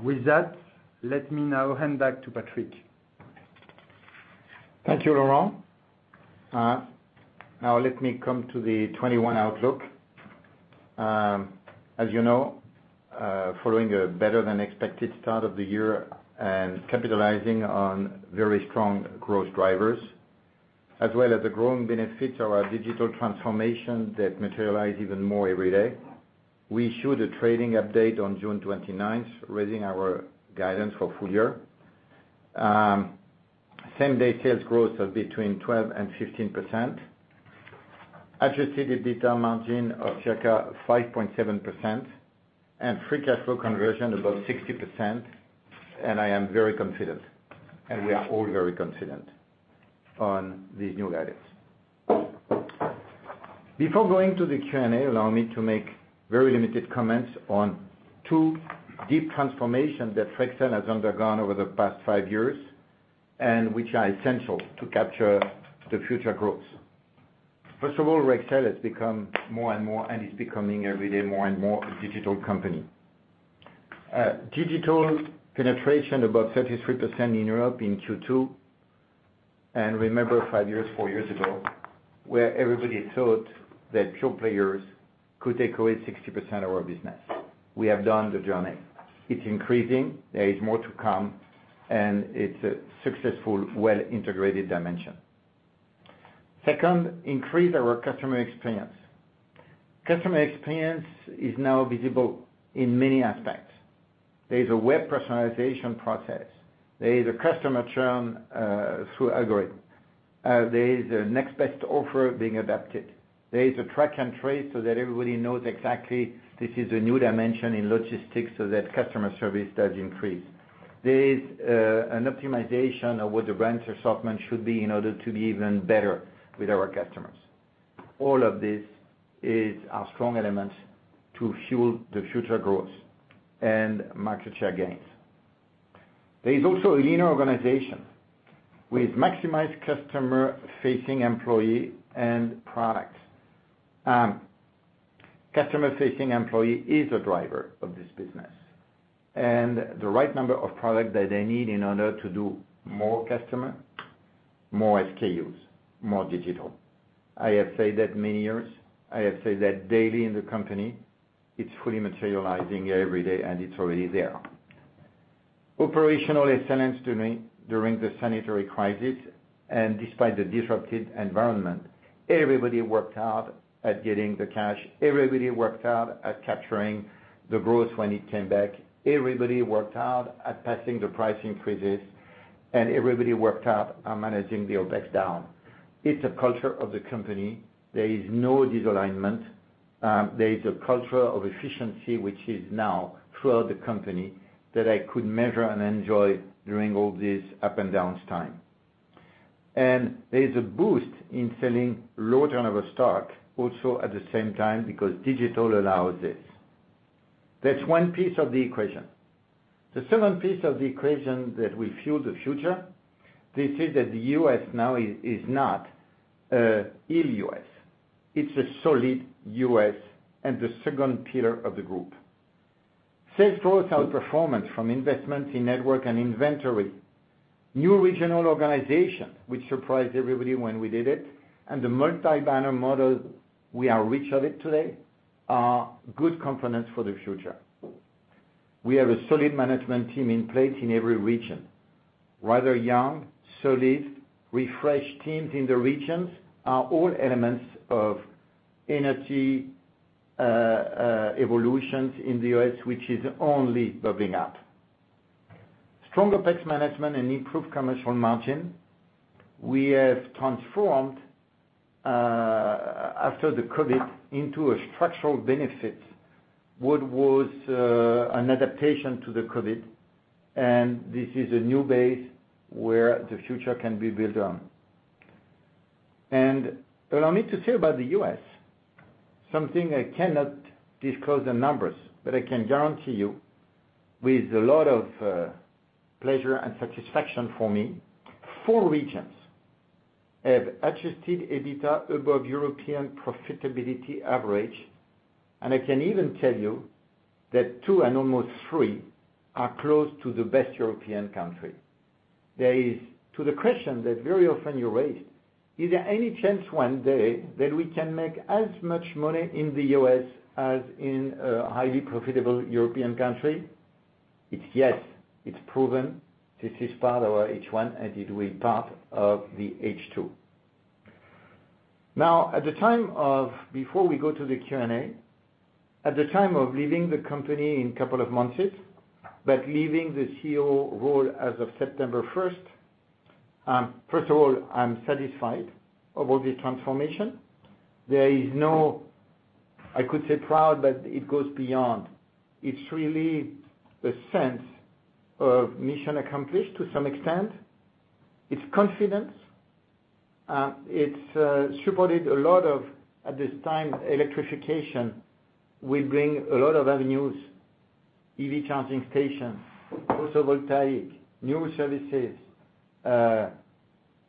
With that, let me now hand back to Patrick. Thank you, Laurent. Now let me come to the 2021 outlook. As you know, following a better than expected start of the year and capitalizing on very strong growth drivers, as well as the growing benefits of our digital transformation that materialize even more every day. We issued a trading update on June 29th, raising our guidance for full year. Same-day sales growth of between 12% and 15%. Adjusted EBITDA margin of circa 5.7%, and free cash flow conversion above 60%. I am very confident, and we are all very confident on these new guidance. Before going to the Q&A, allow me to make very limited comments on two deep transformation that Rexel has undergone over the past five years, and which are essential to capture the future growth. First of all, Rexel has become more and more, and is becoming every day more and more a digital company. Digital penetration about 33% in Europe in Q2. Remember, five years, four years ago, where everybody thought that pure players could take away 60% of our business. We have done the journey. It's increasing. There is more to come, and it's a successful, well-integrated dimension. Second, increase our customer experience. Customer experience is now visible in many aspects. There is a web personalization process. There is a customer churn through algorithm. There is a next best offer being adapted. There is a track and trace so that everybody knows exactly this is a new dimension in logistics so that customer service does increase. There is an optimization of what the range assortment should be in order to be even better with our customers. All of this is our strong elements to fuel the future growth and market share gains. There is also a leaner organization with maximized customer-facing employee and product. Customer-facing employee is a driver of this business and the right number of product that they need in order to do more customer, more SKUs, more digital. I have said that many years. I have said that daily in the company. It's fully materializing every day, and it's already there. Operational excellence during the sanitary crisis, and despite the disrupted environment, everybody worked hard at getting the cash. Everybody worked hard at capturing the growth when it came back. Everybody worked hard at passing the price increases, and everybody worked hard on managing the OpEx down. It's a culture of the company. There is no disalignment. There is a culture of efficiency, which is now throughout the company that I could measure and enjoy during all these up and downs time. There is a boost in selling low turnover stock also at the same time, because digital allows this. That's one piece of the equation. The second piece of the equation that will fuel the future, this is that the U.S. now is not ill U.S. It's a solid U.S. and the second pillar of the group. Sales growth outperformance from investments in network and inventory. New regional organization, which surprised everybody when we did it, and the multi-banner model we are rich of it today, are good components for the future. We have a solid management team in place in every region. Rather young, solid, refreshed teams in the regions are all elements of energy evolutions in the U.S., which is only bubbling up. Strong OpEx management and improved commercial margin. We have transformed, after the COVID, into a structural benefit, what was an adaptation to the COVID, and this is a new base where the future can be built on. Allow me to say about the U.S., something I cannot disclose the numbers, but I can guarantee you with a lot of pleasure and satisfaction for me, four regions have adjusted EBITDA above European profitability average, and I can even tell you that two and almost three are close to the best European country. To the question that very often you raised, is there any chance one day that we can make as much money in the U.S. as in a highly profitable European country? It's yes, it's proven. This is part of our H1, and it will be part of the H2. Before we go to the Q&A, at the time of leaving the company in a couple of months, but leaving the CEO role as of September 1st. First of all, I'm satisfied about the transformation. I could say proud, but it goes beyond. It's really a sense of mission accomplished to some extent. It's confidence. It's supported a lot of, at this time, electrification will bring a lot of avenues, EV charging stations, photovoltaic, new services, a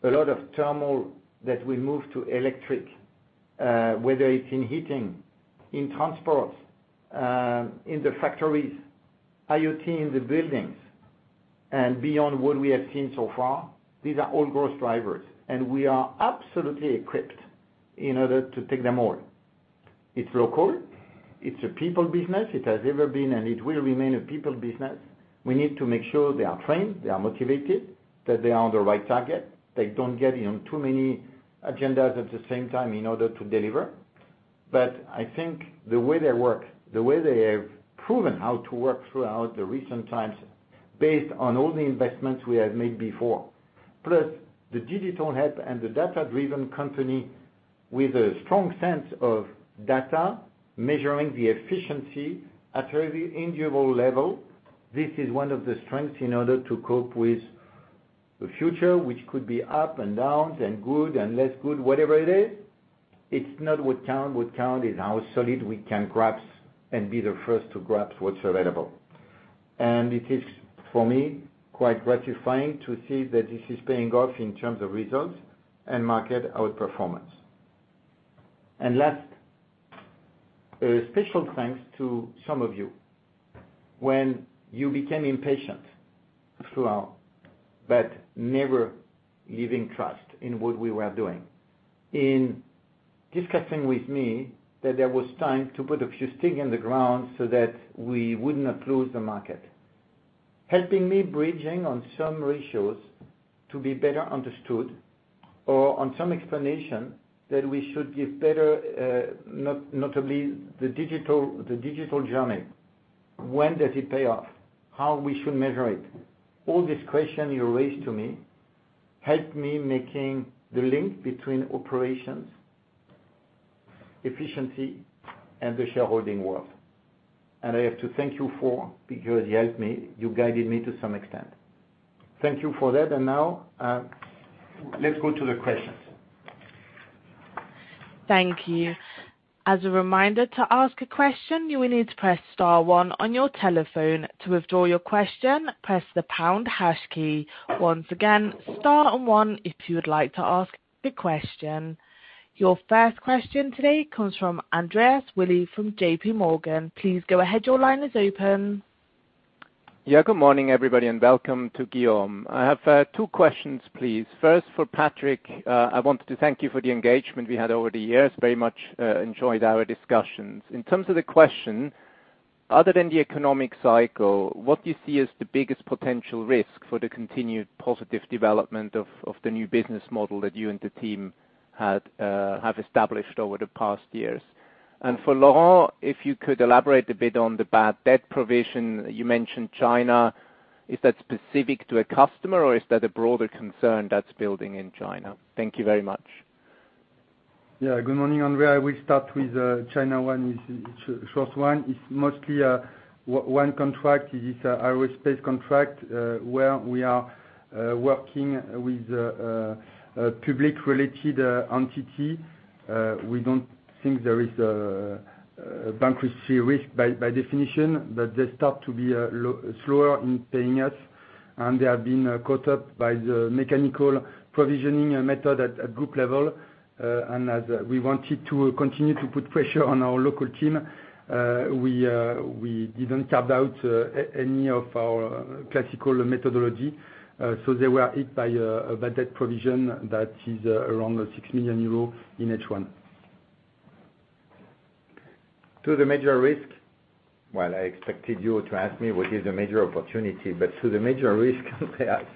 lot of thermal that will move to electric, whether it's in heating, in transport, in the factories, IoT in the buildings, and beyond what we have seen so far, these are all growth drivers, and we are absolutely equipped in order to take them all. It's local. It's a people business. It has ever been, and it will remain a people business. We need to make sure they are trained, they are motivated, that they are on the right target. They don't get on too many agendas at the same time in order to deliver. I think the way they work, the way they have proven how to work throughout the recent times based on all the investments we have made before. The digital help and the data-driven company with a strong sense of data, measuring the efficiency at every individual level. This is one of the strengths in order to cope with the future, which could be up and down and good and less good, whatever it is. It's not what count. What count is how solid we can grasp and be the first to grasp what's available. It is, for me, quite gratifying to see that this is paying off in terms of results and market outperformance. Last, a special thanks to some of you. When you became impatient throughout, but never leaving trust in what we were doing. In discussing with me that there was time to put a few stick in the ground so that we would not lose the market. Helping me bridging on some ratios to be better understood or on some explanation that we should give better, notably the digital journey. When does it pay off? How we should measure it. All these questions you raised to me helped me making the link between operations, efficiency, and the shareholding world. I have to thank you for, because you helped me, you guided me to some extent. Thank you for that. Now, let's go to the questions. Thank you. As a reminder, to ask a question, you will need to press star one on your telephone. To withdraw your question, press the pound hash key. Once again, star and one if you would like to ask the question. Your first question today comes from Andreas Willi from JPMorgan. Please go ahead. Your line is open. Yeah. Good morning, everybody, and welcome to Guillaume. I have two questions, please. First, for Patrick, I wanted to thank you for the engagement we had over the years. Very much enjoyed our discussions. In terms of the question, other than the economic cycle, what do you see as the biggest potential risk for the continued positive development of the new business model that you and the team have established over the past years? For Laurent, if you could elaborate a bit on the bad debt provision. You mentioned China. Is that specific to a customer, or is that a broader concern that's building in China? Thank you very much. Good morning, Andre. I will start with China one, it's a short one. It's mostly a one contract. It is an aerospace contract, where we are working with a public-related entity. We don't think there is a bankruptcy risk by definition, but they start to be slower in paying us, and they have been caught up by the mechanical provisioning method at group level. As we wanted to continue to put pressure on our local team, we didn't cut out any of our classical methodology. They were hit by a bad debt provision that is around 6 million euros in H1. To the major risk. Well, I expected you to ask me what is the major opportunity, to the major risk perhaps.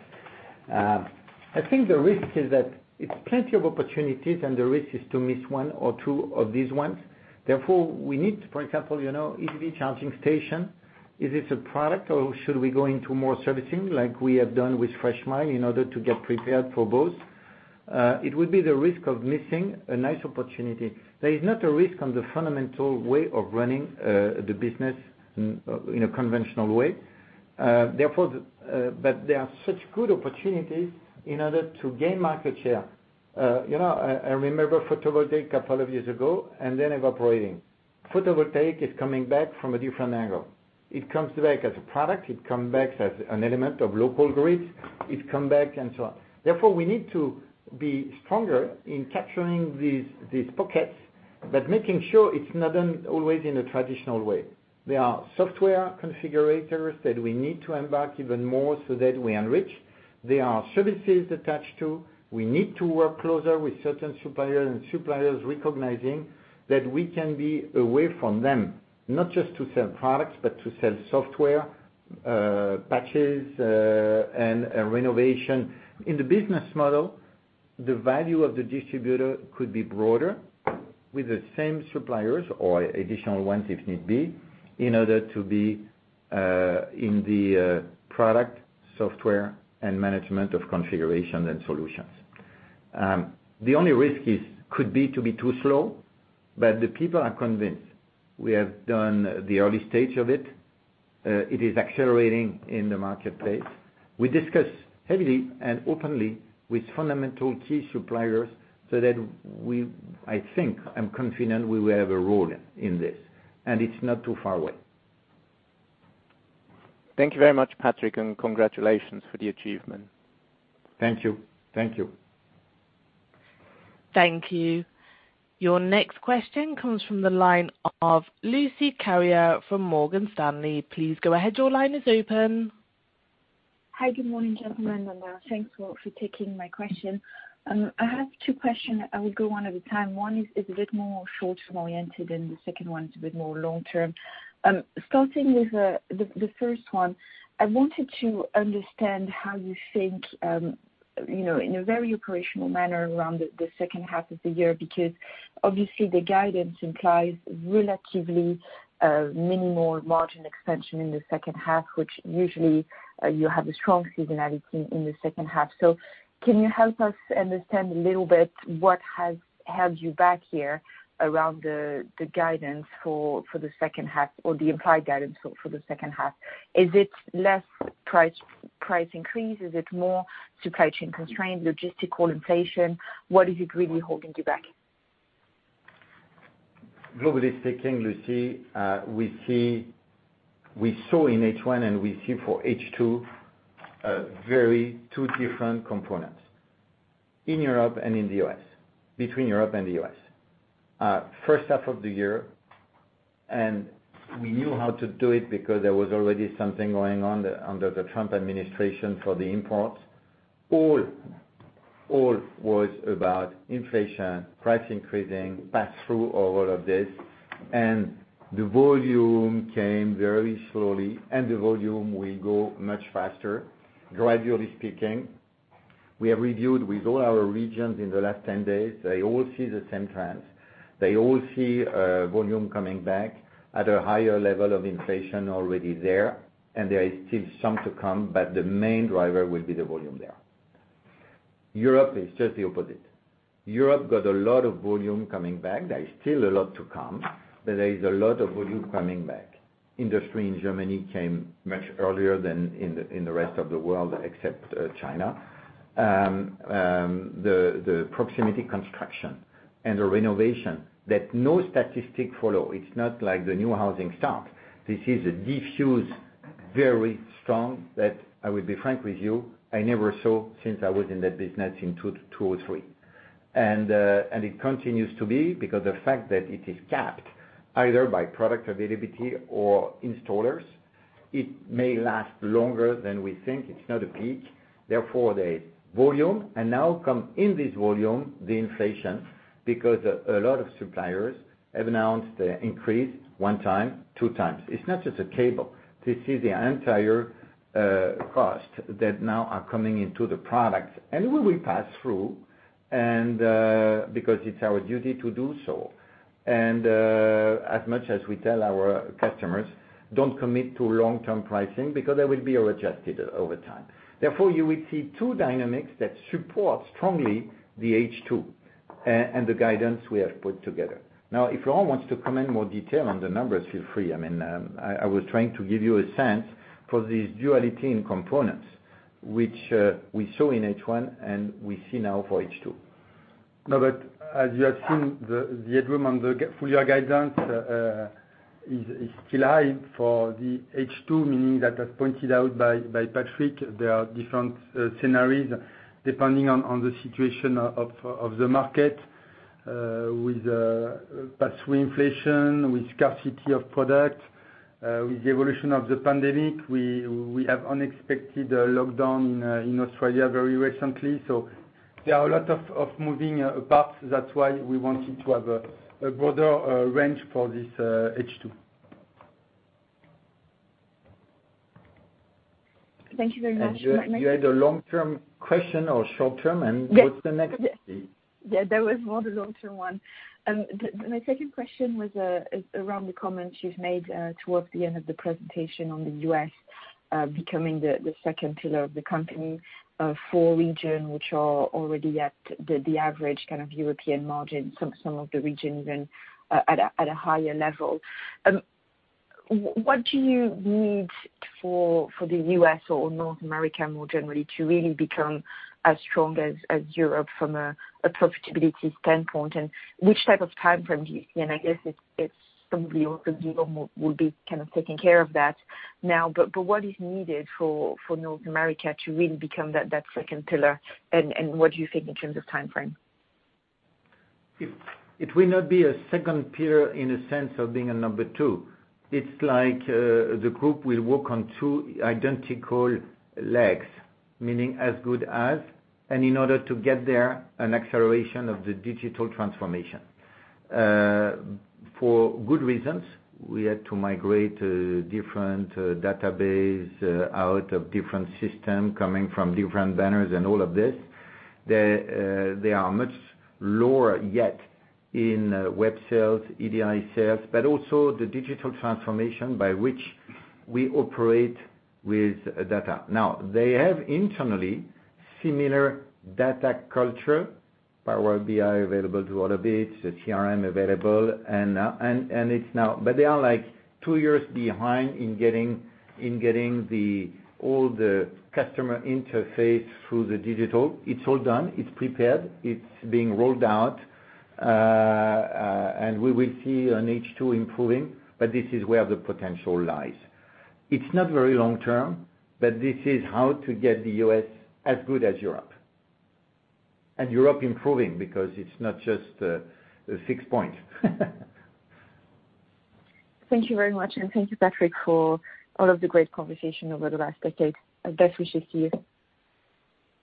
I think the risk is that it's plenty of opportunities and the risk is to miss one or two of these ones. We need to, for example, EV charging station. Is this a product or should we go into more servicing like we have done with Freshmile in order to get prepared for both? It would be the risk of missing a nice opportunity. There is not a risk on the fundamental way of running the business in a conventional way. There are such good opportunities in order to gain market share. I remember photovoltaic a couple of years ago then evaporating. Photovoltaic is coming back from a different angle. It comes back as a product, it comes back as an element of local grid, it comes back and so on. We need to be stronger in capturing these pockets, but making sure it's not done always in a traditional way. There are software configurators that we need to embark even more so that we enrich. There are services attached too. We need to work closer with certain suppliers recognizing that we can be away from them, not just to sell products, but to sell software, patches, and renovation. In the business model, the value of the distributor could be broader with the same suppliers or additional ones if need be, in order to be in the product, software, and management of configurations and solutions. The only risk could be to be too slow, the people are convinced. We have done the early stage of it. It is accelerating in the marketplace. We discuss heavily and openly with fundamental key suppliers so that we, I think, I'm confident we will have a role in this, and it's not too far away. Thank you very much, Patrick, and congratulations for the achievement. Thank you. Thank you. Your next question comes from the line of Lucie Carrier from Morgan Stanley. Please go ahead. Your line is open. Hi. Good morning, gentlemen. Thanks for taking my question. I have two questions. I will go one at a time. One is a bit more short-term oriented, and the second one is a bit more long-term. Starting with the first one, I wanted to understand how you think, in a very operational manner around the second half of the year, because obviously the guidance implies relatively minimal margin expansion in the second half, which usually you have a strong seasonality in the second half. Can you help us understand a little bit what has held you back here around the guidance for the second half or the implied guidance for the second half? Is it less price increase? Is it more supply chain constraint, logistical inflation? What is it really holding you back? Globally speaking, Lucie, we saw in H1 and we see for H2 very two different components in Europe and in the U.S., between Europe and the U.S. First half of the year, and we knew how to do it because there was already something going on under the Trump administration for the imports. All was about inflation, price increasing, pass through all of this, and the volume came very slowly and the volume will go much faster, gradually speaking. We have reviewed with all our regions in the last 10 days. They all see the same trends. They all see volume coming back at a higher level of inflation already there, and there is still some to come, but the main driver will be the volume there. Europe is just the opposite. Europe got a lot of volume coming back. There is still a lot to come, but there is a lot of volume coming back. Industry in Germany came much earlier than in the rest of the world except China. The proximity construction and the renovation that no statistic follow. It's not like the new housing stock. This is a diffuse, very strong that I will be frank with you, I never saw since I was in that business in 2003. It continues to be because the fact that it is capped either by product availability or installers, it may last longer than we think. It's not a peak. Therefore, the volume and now come in this volume, the inflation, because a lot of suppliers have announced increase one time, two times. It's not just a cable. This is the entire cost that now are coming into the product. We will pass through and because it's our duty to do so. As much as we tell our customers, don't commit to long-term pricing because they will be adjusted over time. Therefore, you will see two dynamics that support strongly the H2, and the guidance we have put together. Now, if Laurent wants to comment more detail on the numbers, feel free. I was trying to give you a sense for this duality in components, which we saw in H1, and we see now for H2. No, as you have seen, the headroom on the full year guidance is still high for the H2, meaning that as pointed out by Patrick, there are different scenarios depending on the situation of the market, with pass-through inflation, with scarcity of product, with the evolution of the pandemic. We have unexpected lockdown in Australia very recently. There are a lot of moving parts. That's why we wanted to have a broader range for this H2. Thank you very much. You had a long-term question or short-term, and what's the next, please? Yeah. That was more the long-term one. My second question was around the comments you've made towards the end of the presentation on the U.S. becoming the second pillar of the company for region, which are already at the average kind of European margin, some of the regions and at a higher level. What do you need for the U.S. or North America more generally to really become as strong as Europe from a profitability standpoint, and which type of timeframe do you see? I guess it's probably also you will be kind of taking care of that now, but what is needed for North America to really become that second pillar and what do you think in terms of timeframe? It will not be a second pillar in a sense of being a number two. It's like the group will work on two identical legs, meaning as good as, and in order to get there, an acceleration of the digital transformation. For good reasons, we had to migrate different database out of different system coming from different banners and all of this. They are much lower yet in web sales, EDI sales, but also the digital transformation by which we operate with data. Now, they have internally similar data culture, Power BI available to all of it, the CRM available, but they are two years behind in getting all the customer interface through the digital. It's all done, it's prepared, it's being rolled out. We will see on H2 improving, but this is where the potential lies. It's not very long-term, but this is how to get the U.S. as good as Europe. Europe improving because it's not just a fixed point. Thank you very much, and thank you, Patrick, for all of the great conversation over the last decade. Best wishes to you.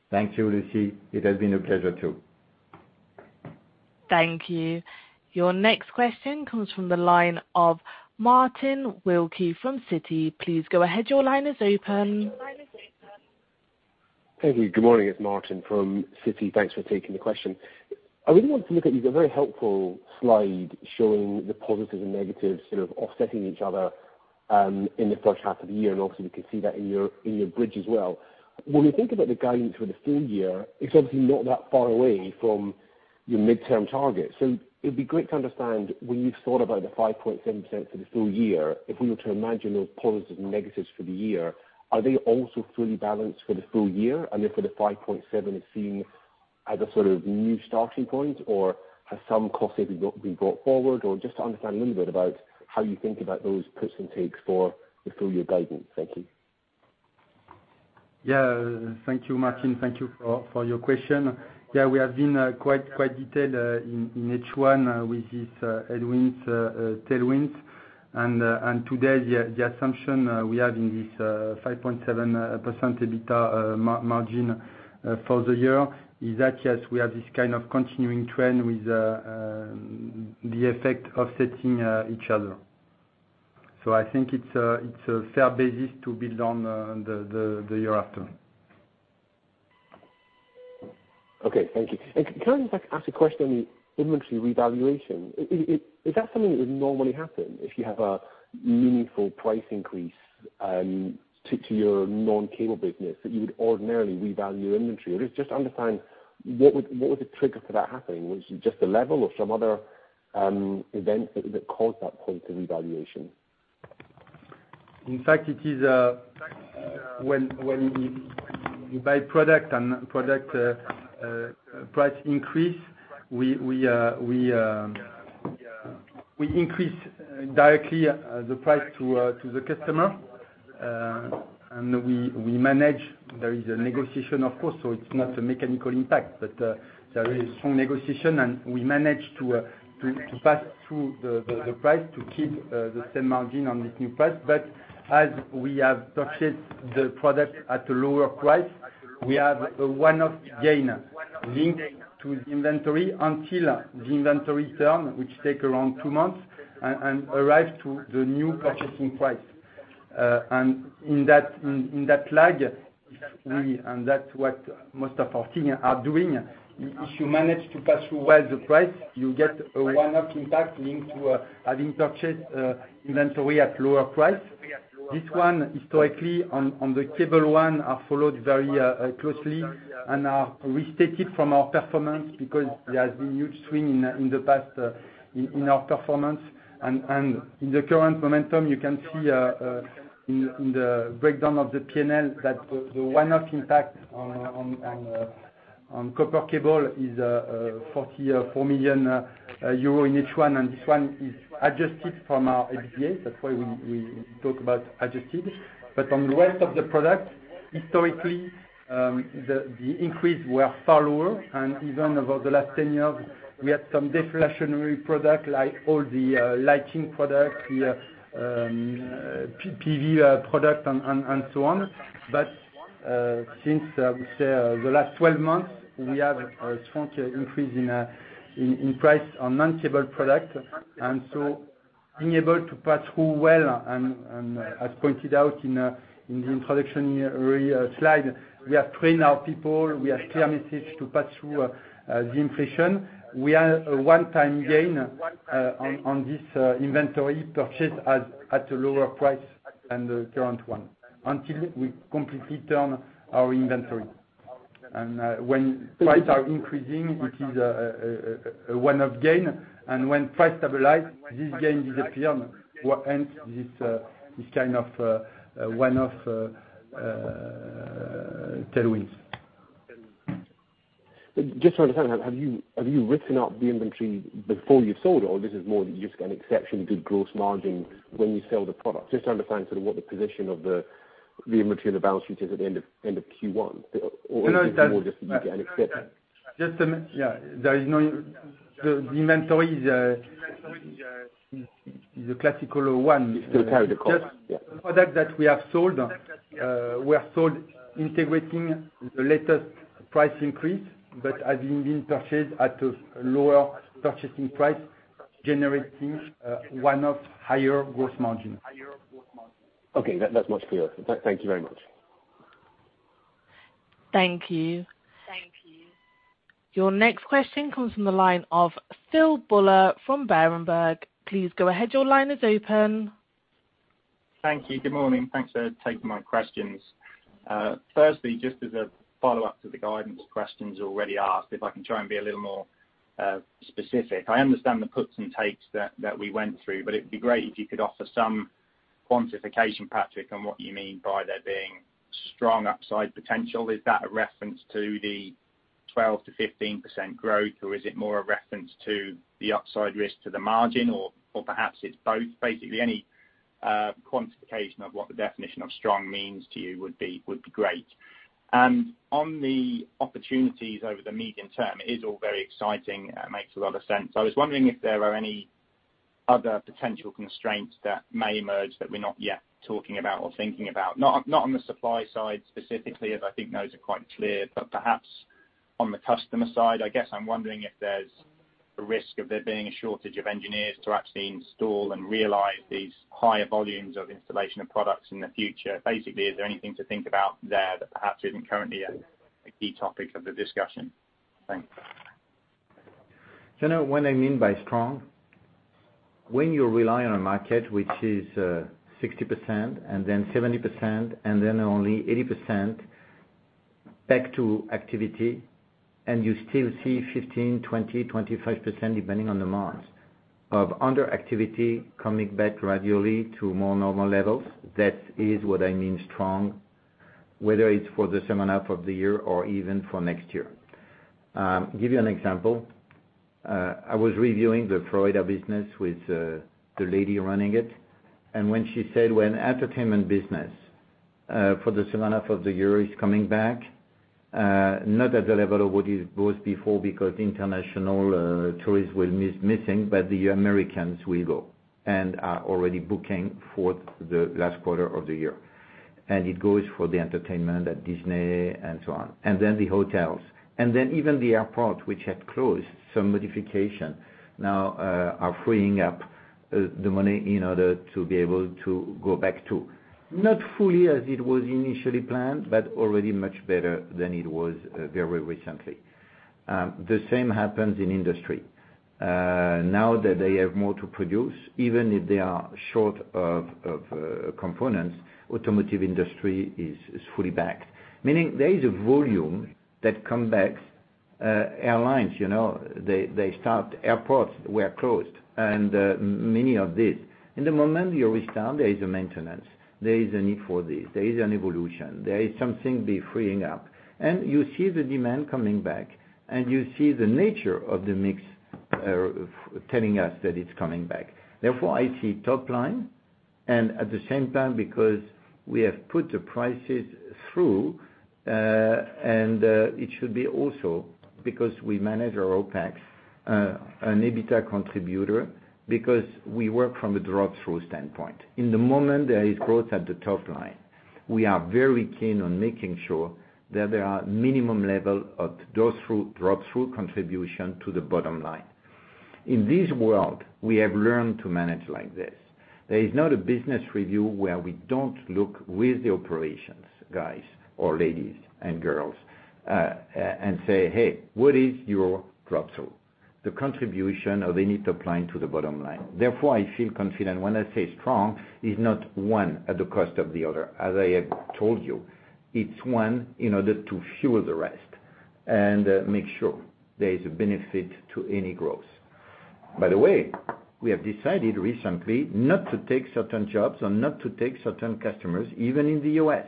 Thank you, Lucie. It has been a pleasure too. Thank you. Your next question comes from the line of Martin Wilkie from Citi. Please go ahead. Your line is open. Thank you. Good morning. It's Martin from Citi. Thanks for taking the question. I really wanted to look at you. You've got a very helpful slide showing the positives and negatives sort of offsetting each other in the first half of the year, and obviously we can see that in your bridge as well. When we think about the guidance for the full year, it's obviously not that far away from your midterm target. it'd be great to understand when you've thought about the 5.7% for the full year, if we were to imagine those positives and negatives for the year, are they also fully balanced for the full year? if for the 5.7% is seen as a sort of new starting point, or has some costs been brought forward? Just to understand a little bit about how you think about those puts and takes for the full year guidance. Thank you. Yeah. Thank you, Martin. Thank you for your question. Yeah, we have been quite detailed in H1 with this headwinds, tailwinds and today the assumption we have in this 5.7% EBITDA margin for the year is that, yes, we have this kind of continuing trend with the effect offsetting each other. I think it's a fair basis to build on the year after. Okay. Thank you. Can I just ask a question on the inventory revaluation? Is that something that would normally happen if you have a meaningful price increase to your non-cable business, that you would ordinarily revalue inventory? Or just to understand, what was the trigger for that happening? Was it just the level or some other event that caused that point of revaluation? In fact, it is when we buy product and product price increase, we increase directly the price to the customer. We manage, there is a negotiation of course, so it's not a mechanical impact. There is strong negotiation and we manage to pass through the price to keep the same margin on this new price. As we have purchased the product at a lower price, we have a one-off gain linked to the inventory until the inventory turn, which take around two months and arrive to the new purchasing price. In that lag, and that's what most of our team are doing, if you manage to pass through well the price, you get a one-off impact linked to having purchased inventory at lower price. This one historically on the cable one are followed very closely and are restated from our performance because there has been huge swing in the past in our performance. In the current momentum, you can see in the breakdown of the P&L that the one-off impact on copper cable is 44 million euro in H1. This one is adjusted from our EBITDA, that's why we talk about adjusted. On the rest of the product, historically, the increase were far lower and even over the last 10 years we had some deflationary product like all the lighting product, PV product and so on. Since I would say the last 12 months, we have a strong increase in price on non-cable product. Being able to pass through well and as pointed out in the introduction slide, we have trained our people, we have clear message to pass through the inflation. We are a one-time gain on this inventory purchase at a lower price than the current one until we completely turn our inventory. When prices are increasing, it is a one-off gain. When prices stabilize, this gain disappears. What ends this kind of one-off tailwinds. Just to understand, have you written up the inventory before you sold, or this is more that you just get an exceptionally good gross margin when you sell the product? Just to understand sort of what the position of the inventory on the balance sheet is at the end of Q1. Is this more just that you get an exception? Yeah. The inventory is a classical one. You still carry the cost. Yeah. The product that we have sold, we have sold integrating the latest price increase, but has been purchased at a lower purchasing price, generating a one-off higher gross margin. Okay. That's much clearer. Thank you very much. Thank you. Your next question comes from the line of Phil Buller from Berenberg. Please go ahead. Your line is open. Thank you. Good morning. Thanks for taking my questions. Firstly, just as a follow-up to the guidance questions already asked, if I can try and be a little more specific. I understand the puts and takes that we went through, but it'd be great if you could offer some quantification, Patrick, on what you mean by there being strong upside potential. Is that a reference to the 12%-15% growth, or is it more a reference to the upside risk to the margin, or perhaps it's both? Basically, any quantification of what the definition of strong means to you would be great? On the opportunities over the medium term, it is all very exciting and makes a lot of sense. I was wondering if there are any other potential constraints that may emerge that we're not yet talking about or thinking about. Not on the supply side specifically, as I think those are quite clear, but perhaps on the customer side. I guess I'm wondering if there's a risk of there being a shortage of engineers to actually install and realize these higher volumes of installation of products in the future. Basically, is there anything to think about there that perhaps isn't currently a key topic of the discussion? Thanks. Now, what I mean by strong, when you rely on a market which is 60% and then 70% and then only 80% back to activity, and you still see 15%, 20%, 25%, depending on the months, of underactivity coming back gradually to more normal levels, that is what I mean strong, whether it's for the second half of the year or even for next year. Give you an example. I was reviewing the Florida business with the lady running it, and when she said when entertainment business for the second half of the year is coming back, not at the level of what it was before because international tourists will be missing, but the Americans will go and are already booking for the last quarter of the year. It goes for the entertainment at Disney and so on, and then the hotels. Even the airport, which had closed some modification, now are freeing up the money in order to be able to go back to, not fully as it was initially planned, but already much better than it was very recently. The same happens in industry. Now that they have more to produce, even if they are short of components, automotive industry is fully back. Meaning there is a volume that come back. Airlines, they start. Airports were closed, and many of these. In the moment you restart, there is a maintenance, there is a need for this. There is an evolution. There is something be freeing up. You see the demand coming back, and you see the nature of the mix telling us that it's coming back. I see top line, and at the same time, because we have put the prices through, and it should be also because we manage our OpEx, an EBITDA contributor, because we work from a drop-through standpoint. In the moment there is growth at the top line, we are very keen on making sure that there are minimum level of drop-through contribution to the bottom line. In this world, we have learned to manage like this. There is not a business review where we don't look with the operations guys or ladies and girls, and say, "Hey, what is your drop-through?" The contribution or the need to apply to the bottom line. I feel confident when I say strong, it's not one at the cost of the other. As I have told you, it's one in order to fuel the rest and make sure there is a benefit to any growth. By the way, we have decided recently not to take certain jobs or not to take certain customers, even in the U.S.,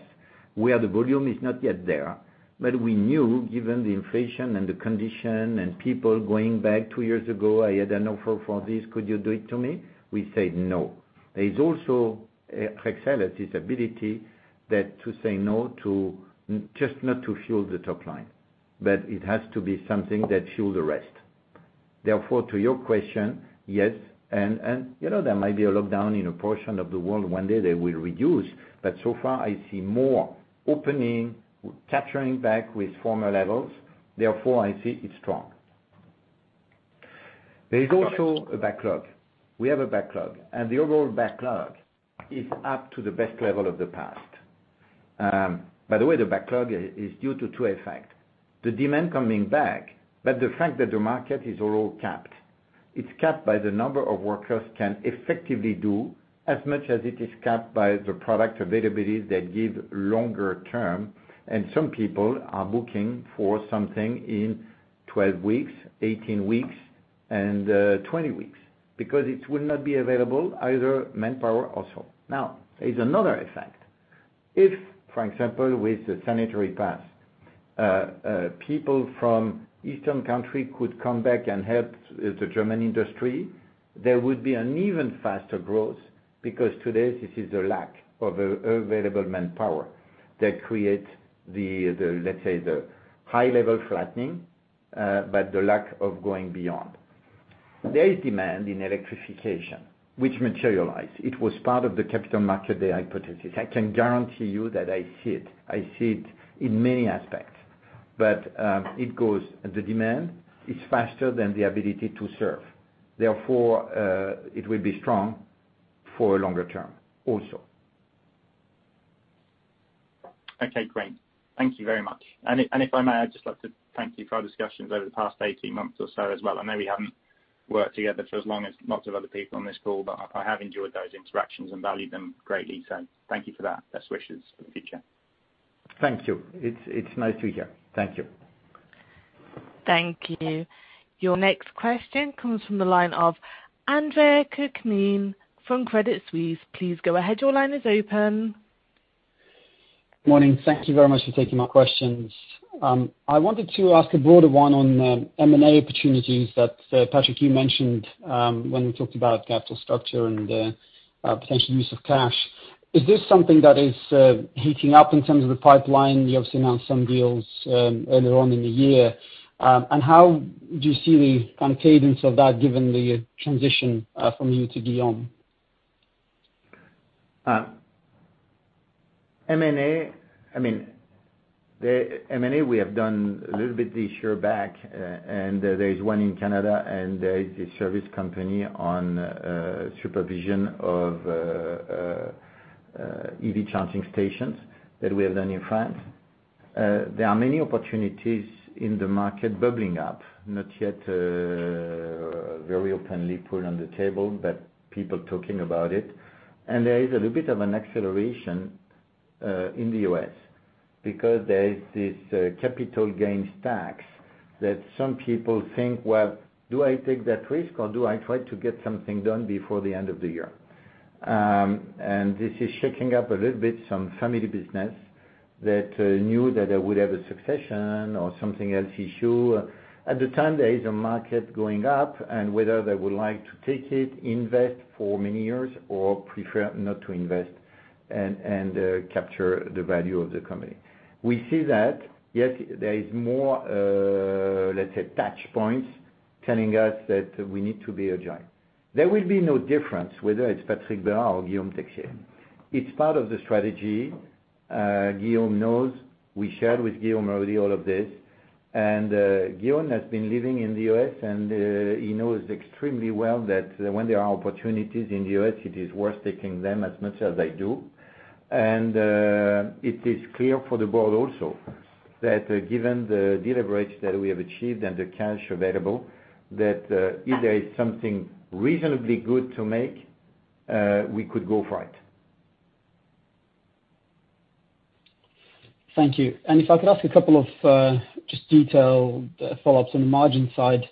where the volume is not yet there. We knew, given the inflation and the condition and people going back, "Two years ago, I had an offer for this. Could you do it to me?" We said, "No." There is also, at Rexel, this ability that to say no to just not to fuel the top line, but it has to be something that fuels the rest. Therefore, to your question, yes, and there might be a lockdown in a portion of the world one day that will reduce, but so far, I see more opening, capturing back with former levels. I see it's strong. There is also a backlog. We have a backlog, and the overall backlog is up to the best level of the past. By the way, the backlog is due to two effect. The demand coming back, but the fact that the market is all capped. It's capped by the number of workers can effectively do as much as it is capped by the product availabilities that give longer term, and some people are booking for something in 12 weeks, 18 weeks, and 20 weeks, because it will not be available, either manpower also. Now, there is another effect. If, for example, with the sanitary pass people from eastern country could come back and help the German industry, there would be an even faster growth, because today this is a lack of available manpower that create, let's say, the high level flattening, but the lack of going beyond. There is demand in electrification which materialize. It was part of the Capital Markets Day hypothesis. I can guarantee you that I see it. I see it in many aspects. The demand is faster than the ability to serve. Therefore, it will be strong for a longer term also. Okay, great. Thank you very much. If I may, I'd just like to thank you for our discussions over the past 18 months or so as well. I know we haven't worked together for as long as lots of other people on this call, but I have enjoyed those interactions and valued them greatly. Thank you for that. Best wishes for the future. Thank you. It's nice to hear. Thank you. Thank you. Your next question comes from the line of Andre Kukhnin from Credit Suisse. Please go ahead. Your line is open. Morning. Thank you very much for taking my questions. I wanted to ask a broader one on M&A opportunities that, Patrick, you mentioned when we talked about capital structure and potential use of cash. Is this something that is heating up in terms of the pipeline? You obviously announced some deals earlier on in the year. How do you see the kind of cadence of that given the transition from you to Guillaume? M&A, we have done a little bit this year back, and there is one in Canada, and there is a service company on supervision of EV charging stations that we have done in France. There are many opportunities in the market bubbling up, not yet very openly put on the table, but people talking about it. There is a little bit of an acceleration in the U.S. because there is this capital gains tax that some people think, "Well, do I take that risk, or do I try to get something done before the end of the year?" This is shaking up a little bit some family business that knew that they would have a succession or something else issue. At the time, there is a market going up, and whether they would like to take it, invest for many years, or prefer not to invest and capture the value of the company. We see that, yes, there is more, let's say, touch points telling us that we need to be agile. There will be no difference whether it's Patrick Berard or Guillaume Texier. It's part of the strategy. Guillaume knows. We shared with Guillaume already all of this. Guillaume has been living in the U.S., and he knows extremely well that when there are opportunities in the U.S., it is worth taking them as much as I do. It is clear for the board also that given the deleverage that we have achieved and the cash available, that if there is something reasonably good to make, we could go for it. Thank you. If I could ask a couple of just detailed follow-ups on the margin side.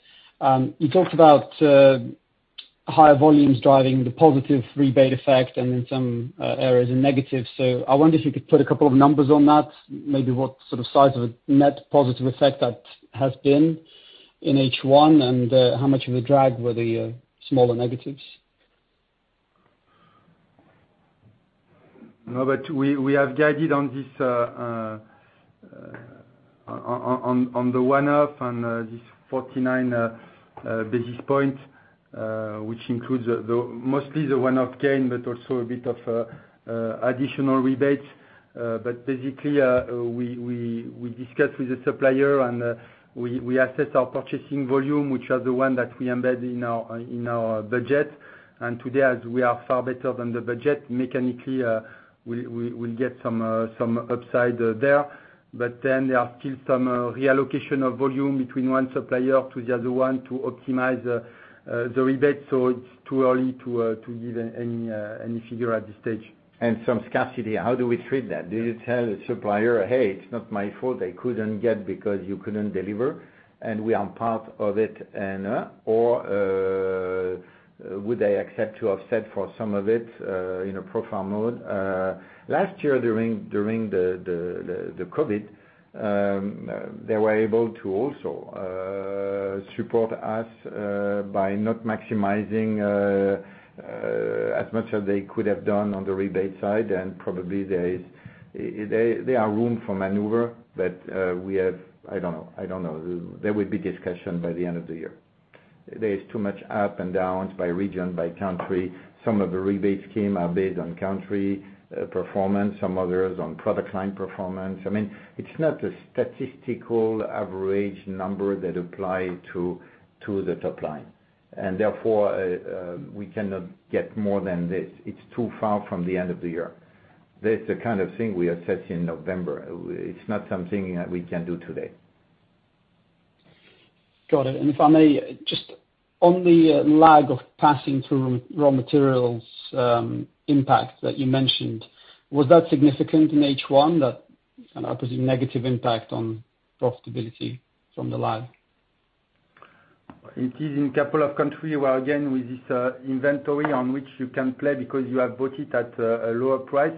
You talked about higher volumes driving the positive rebate effect and in some areas a negative. I wonder if you could put a couple of numbers on that, maybe what sort of size of a net positive effect that has been in H1 and how much of a drag were the smaller negatives? No, we have guided on the one-off and this 49 basis point, which includes mostly the one-off gain, but also a bit of additional rebates. Basically, we discussed with the supplier and we assessed our purchasing volume, which are the one that we embed in our budget. Today, as we are far better than the budget, mechanically, we'll get some upside there. There are still some reallocation of volume between one supplier to the other one to optimize the rebate. It's too early to give any figure at this stage. Some scarcity. How do we treat that? Do you tell the supplier, "Hey, it's not my fault. I couldn't get because you couldn't deliver, and we are part of it," or would they accept to offset for some of it in a profile mode? Last year during the COVID, they were able to also support us by not maximizing as much as they could have done on the rebate side, and probably there are room for maneuver, but I don't know. There will be discussion by the end of the year. There is too much up and downs by region, by country. Some of the rebates came based on country performance, some others on product line performance. It's not a statistical average number that apply to the top line, and therefore, we cannot get more than this. It's too far from the end of the year That's the kind of thing we assess in November. It's not something that we can do today. Got it. If I may, just on the lag of passing through raw materials impact that you mentioned, was that significant in H1, that opposite negative impact on profitability from the lag? It is in a couple of countries where, again, with this inventory on which you can play because you have bought it at a lower price,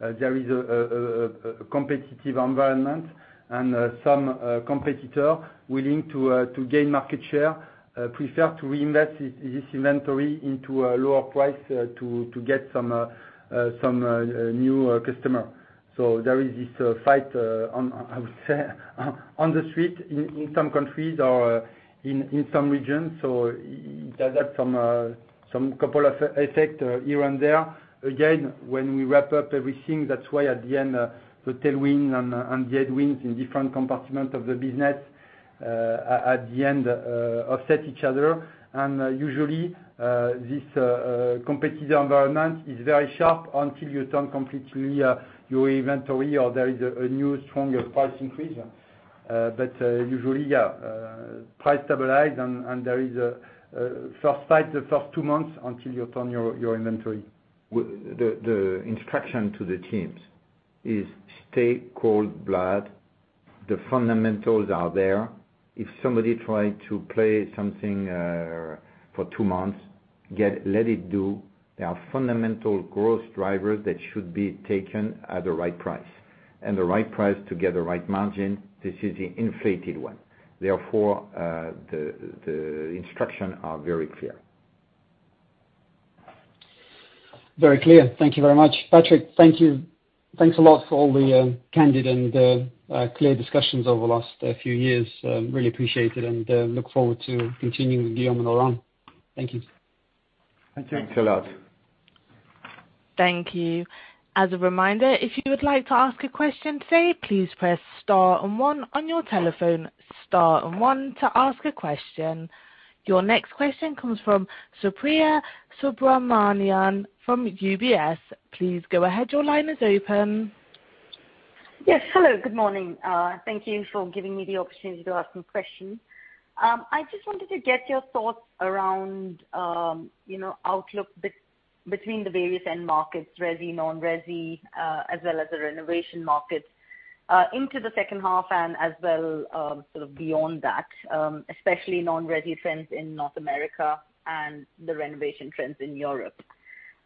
there is a competitive environment and some competitor willing to gain market share, prefer to reinvest this inventory into a lower price to get some new customer. There is this fight on, I would say, on the street in some countries or in some regions. It has had some couple of effect here and there. Again, when we wrap up everything, that's why at the end, the tailwinds and the headwinds in different compartment of the business, at the end, offset each other. Usually, this competitive environment is very sharp until you turn completely your inventory or there is a new stronger price increase. Usually, yeah price stabilize and there is a first fight, the first two months until you turn your inventory. The instruction to the teams is stay cold blood. The fundamentals are there. If somebody try to play something for two months, let it do. There are fundamental growth drivers that should be taken at the right price. the right price to get the right margin, this is the inflated one. Therefore, the instruction are very clear. Very clear. Thank you very much. Patrick, thank you. Thanks a lot for all the candid and clear discussions over the last few years. Really appreciate it and look forward to continuing with Guillaume and Laurent. Thank you. Thank you. Thanks a lot. Thank you. As a reminder, if you would like to ask a question today, please press star and one on your telephone, star and one to ask a question. Your next question comes from Supriya Subramanian from UBS. Please go ahead. Your line is open. Yes. Hello, good morning. Thank you for giving me the opportunity to ask some questions. I just wanted to get your thoughts around outlook be between the various end markets, resi, non-resi, as well as the renovation markets, into the second half and as well sort of beyond that, especially non-resi trends in North America and the renovation trends in Europe.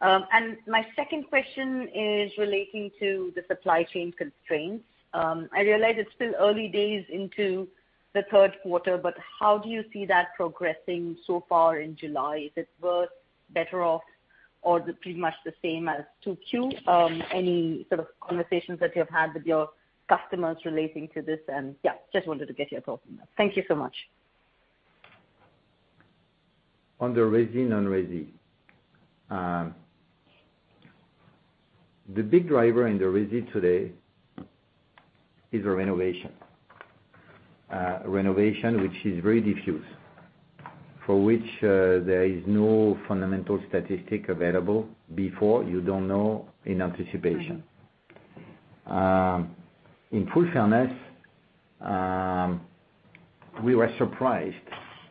My second question is relating to the supply chain constraints. I realize it's still early days into the third quarter, but how do you see that progressing so far in July? Is it worse, better off, or pretty much the same as 2Q? Any sort of conversations that you've had with your customers relating to this and yeah, just wanted to get your thoughts on that. Thank you so much. On the resi, non-resi. The big driver in the resi today is renovation. Renovation, which is very diffuse, for which there is no fundamental statistic available before, you don't know in anticipation. In full fairness, we were surprised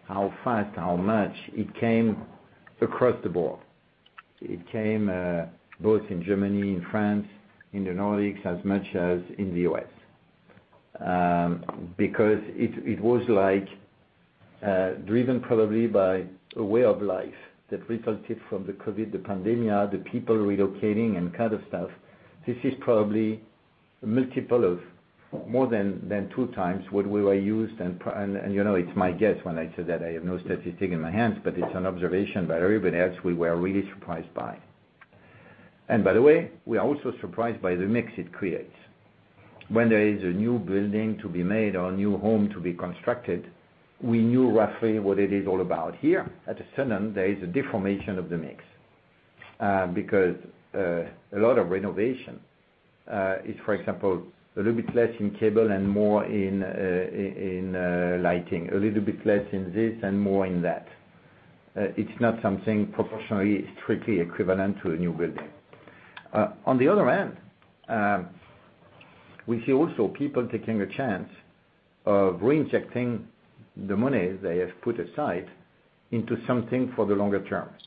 how fast, how much it came across the board. It came both in Germany, in France, in the Nordics, as much as in the U.S. Because it was driven probably by a way of life that resulted from the COVID, the pandemic, the people relocating and kind of stuff. This is probably multiple of more than two times what we were used and it's my guess when I say that I have no statistic in my hands, but it's an observation by everybody else we were really surprised by. By the way, we are also surprised by the mix it creates. When there is a new building to be made or a new home to be constructed, we knew roughly what it is all about. Here, at the sudden, there is a deformation of the mix, because, a lot of renovation, is, for example, a little bit less in cable and more in lighting, a little bit less in this and more in that. It's not something proportionally strictly equivalent to a new building. On the other hand, we see also people taking a chance of reinjecting the money they have put aside into something for the longer terms.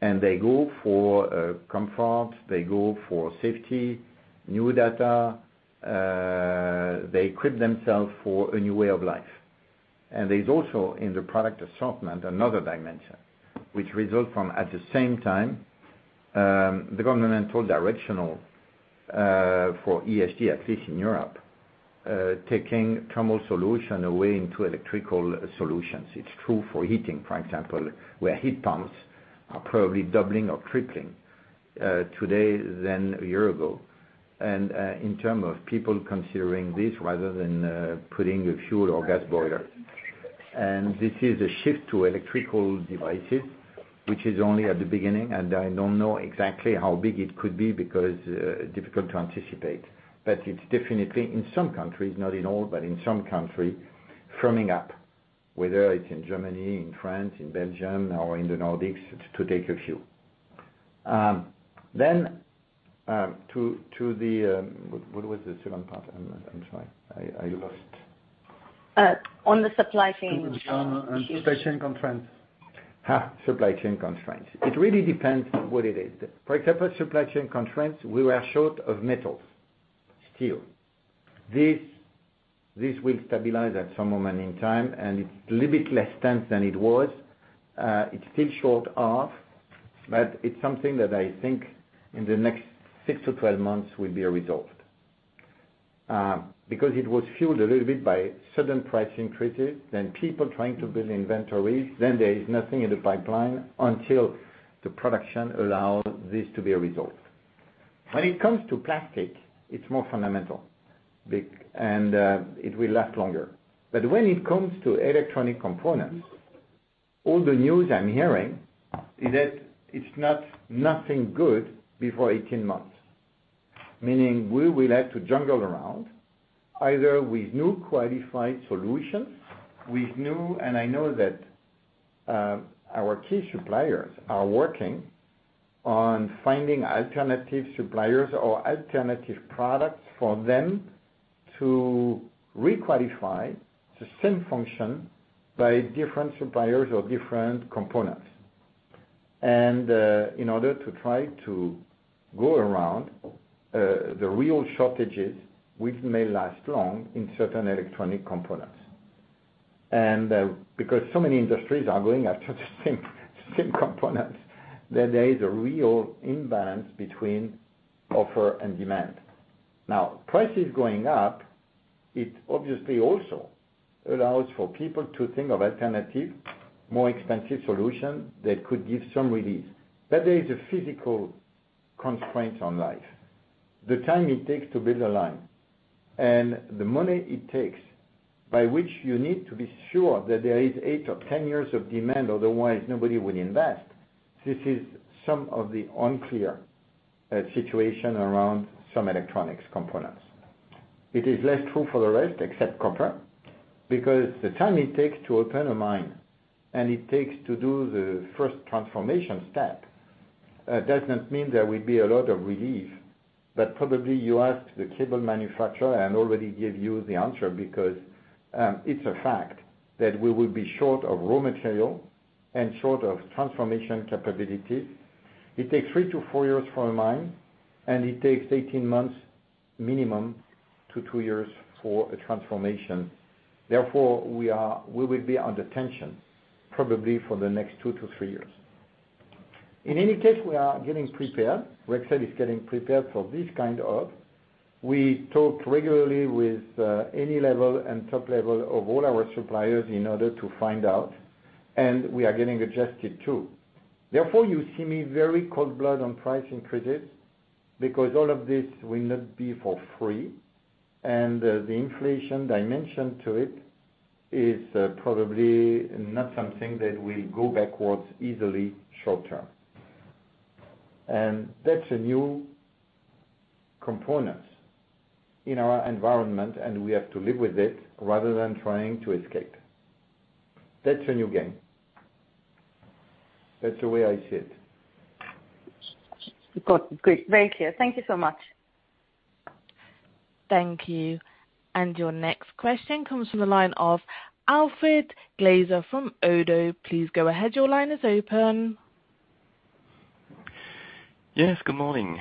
they go for comfort, they go for safety, new data. They equip themselves for a new way of life. there's also in the product assortment, another dimension which result from, at the same time, the governmental directional, for ESG, at least in Europe, taking thermal solution away into electrical solutions. It's true for heating, for example, where heat pumps are probably doubling or tripling today than a year ago. in term of people considering this rather than putting a fuel or gas boiler. this is a shift to electrical devices, which is only at the beginning, and I don't know exactly how big it could be because, difficult to anticipate. it's definitely, in some countries, not in all, but in some country, firming up. Whether it's in Germany, in France, in Belgium, or in the Nordics, to take a few. What was the second part? I'm sorry. I lost- On the supply chain. Supply chain constraints. Supply chain constraints. It really depends what it is. For example, supply chain constraints, we were short of metals, steel. This will stabilize at some moment in time, and it's a little bit less tense than it was. It's still short of, but it's something that I think in the next 6-12 months will be resolved. Because it was fueled a little bit by sudden price increases, then people trying to build inventories, then there is nothing in the pipeline until the production allows this to be resolved. When it comes to plastic, it's more fundamental and it will last longer. when it comes to electronic components, all the news I'm hearing is that it's nothing good before 18 months. Meaning we will have to juggle around either with new qualified solutions. I know that our key suppliers are working on finding alternative suppliers or alternative products for them to re-qualify the same function by different suppliers or different components. In order to try to go around the real shortages, which may last long in certain electronic components. Because so many industries are going after the same components, that there is a real imbalance between offer and demand. Now, prices going up, it obviously also allows for people to think of alternative, more expensive solutions that could give some relief. There is a physical constraint on life. The time it takes to build a line and the money it takes, by which you need to be sure that there is eight or 10 years of demand, otherwise nobody would invest. This is some of the unclear situation around some electronics components. It is less true for the rest, except copper, because the time it takes to open a mine, and it takes to do the first transformation step, does not mean there will be a lot of relief. probably you asked the cable manufacturer and already gave you the answer because it's a fact that we will be short of raw material and short of transformation capability. It takes three to four years for a mine, and it takes 18 months minimum to two years for a transformation. Therefore, we will be under tension probably for the next two to three years. In any case, we are getting prepared. We talk regularly with any level and top level of all our suppliers in order to find out, and we are getting adjusted too. Therefore, you see me very cold-blooded on price increases, because all of this will not be for free. The inflation dimension to it is probably not something that will go backwards easily short term. That's a new component in our environment, and we have to live with it rather than trying to escape. That's a new game. That's the way I see it. Got it. Great. Very clear. Thank you so much. Thank you. Your next question comes from the line of Alfred Glaser from Oddo. Please go ahead. Your line is open. Yes, good morning.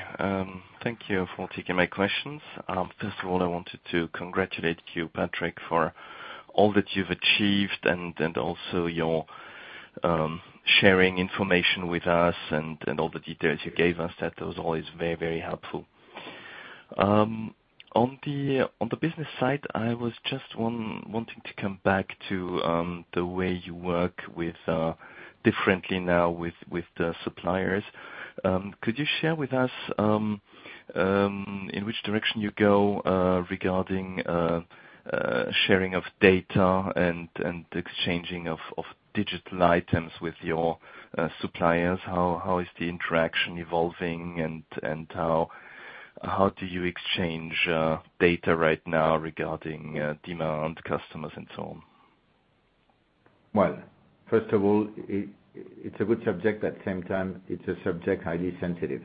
Thank you for taking my questions. First of all, I wanted to congratulate you, Patrick, for all that you've achieved and also your sharing information with us and all the details you gave us. That was always very helpful. On the business side, I was just wanting to come back to the way you work differently now with the suppliers. Could you share with us in which direction you go regarding sharing of data and exchanging of digital items with your suppliers? How is the interaction evolving, and how do you exchange data right now regarding demand, customers, and so on? Well, first of all, it's a good subject, at the same time, it's a subject highly sensitive.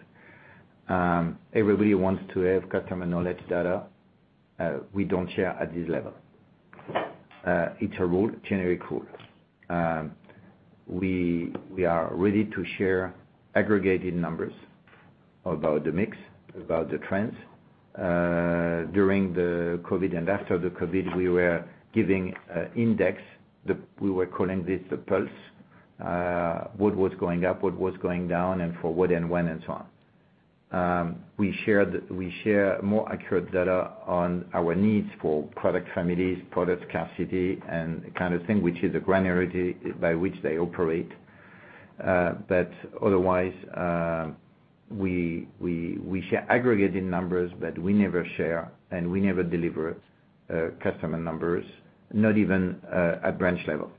Everybody wants to have customer knowledge data. We don't share at this level. It's a rule, generic rule. We are ready to share aggregated numbers about the mix, about the trends. During the COVID and after the COVID, we were giving index, we were calling this the pulse, what was going up, what was going down, and for what and when and so on. We share more accurate data on our needs for product families, product scarcity, and kind of thing, which is a granularity by which they operate. otherwise, we share aggregated numbers, but we never share and we never deliver customer numbers, not even at branch level.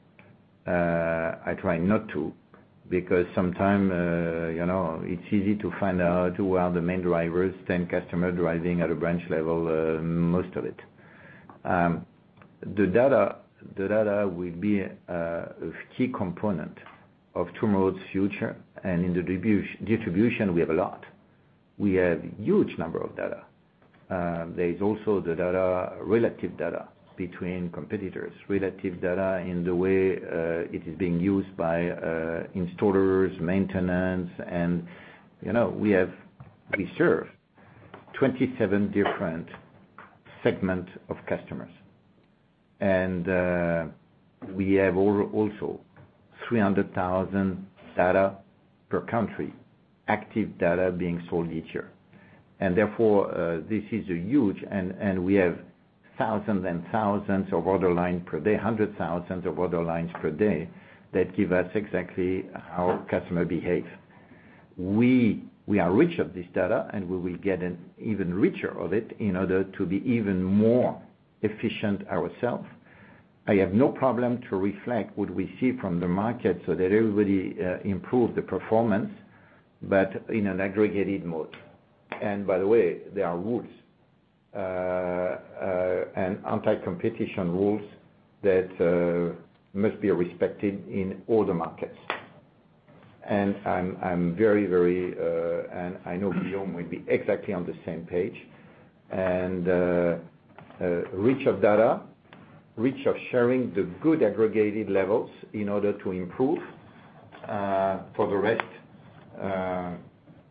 I try not to, because sometimes, it's easy to find out who are the main drivers, 10 customer driving at a branch level, most of it. The data will be a key component of tomorrow's future, and in the distribution, we have a lot. We have huge number of data. There is also the data, relative data between competitors, relative data in the way it is being used by installers, maintenance, and we serve 27 different segment of customers. we have also 300,000 data per country, active data being sold each year. therefore, this is huge, and we have thousands and thousands of order line per day, hundred thousands of order lines per day that give us exactly how customer behave. We are rich of this data, and we will get even richer of it in order to be even more efficient ourself. I have no problem to reflect what we see from the market so that everybody improve the performance, but in an aggregated mode. By the way, there are rules, and anti-competition rules that must be respected in all the markets. I'm very, very, and I know Guillaume will be exactly on the same page. Rich of data, rich of sharing the good aggregated levels in order to improve. For the rest,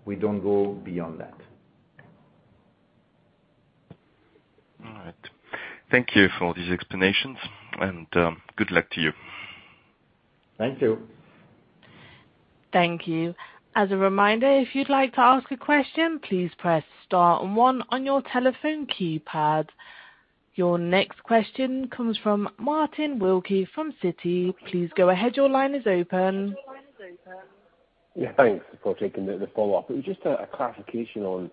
we don't go beyond that. All right. Thank you for these explanations, and good luck to you. Thank you. Thank you. As a reminder, if you'd like to ask a question, please press star and one on your telephone keypad. Your next question comes from Martin Wilkie from Citi. Please go ahead. Your line is open. Yeah, thanks for taking the follow-up. It was just a clarification on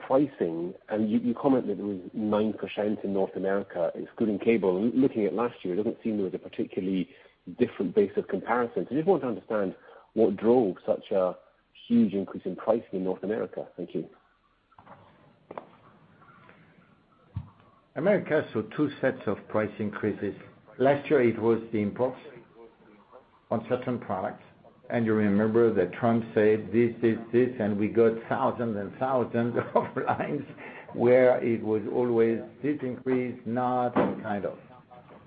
pricing, and you comment that it was 9% in North America excluding cable. Looking at last year, it doesn't seem there was a particularly different base of comparison. Just want to understand what drove such a huge increase in pricing in North America? Thank you. America saw two sets of price increases. Last year, it was the imports on certain products. You remember that Trump said this, this, and we got thousands and thousands of lines where it was always this increase, not, kind of.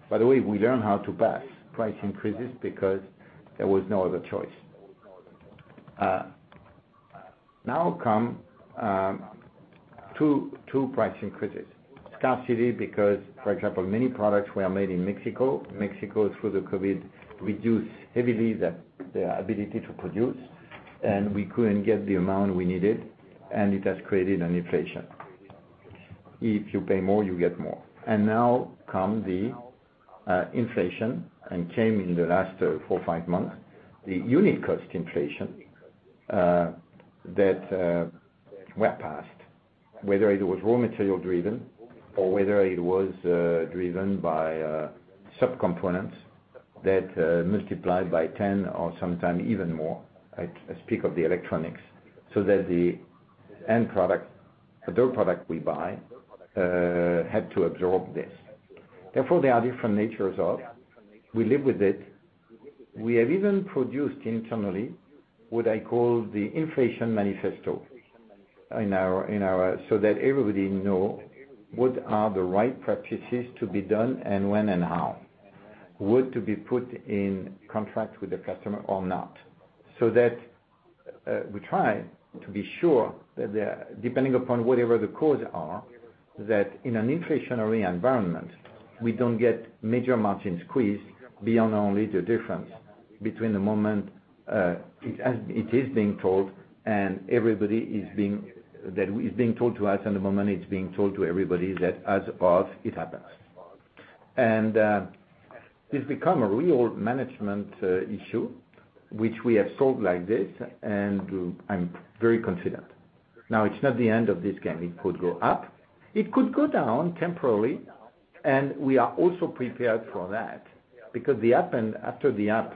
By the way, we learn how to pass price increases because there was no other choice. Now come two price increases. Scarcity because, for example, many products were made in Mexico. Mexico, through the COVID, reduced heavily their ability to produce, and we couldn't get the amount we needed, and it has created an inflation. If you pay more, you get more. Now come the inflation and came in the last four, five months, the unit cost inflation that went past, whether it was raw material driven or whether it was driven by sub-components that multiplied by 10 or sometime even more. I speak of the electronics. That the end product, the raw product we buy, had to absorb this. Therefore, they are different natures of. We live with it. We have even produced internally, what I call the inflation manifesto so that everybody know what are the right practices to be done and when and how. What to be put in contract with the customer or not. That we try to be sure that depending upon whatever the cause are, that in an inflationary environment, we don't get major margin squeeze beyond only the difference between the moment it is being told to us and the moment it's being told to everybody that as above, it happens. It's become a real management issue, which we have solved like this, and I'm very confident. Now, it's not the end of this game. It could go up. It could go down temporarily, and we are also prepared for that because after the up,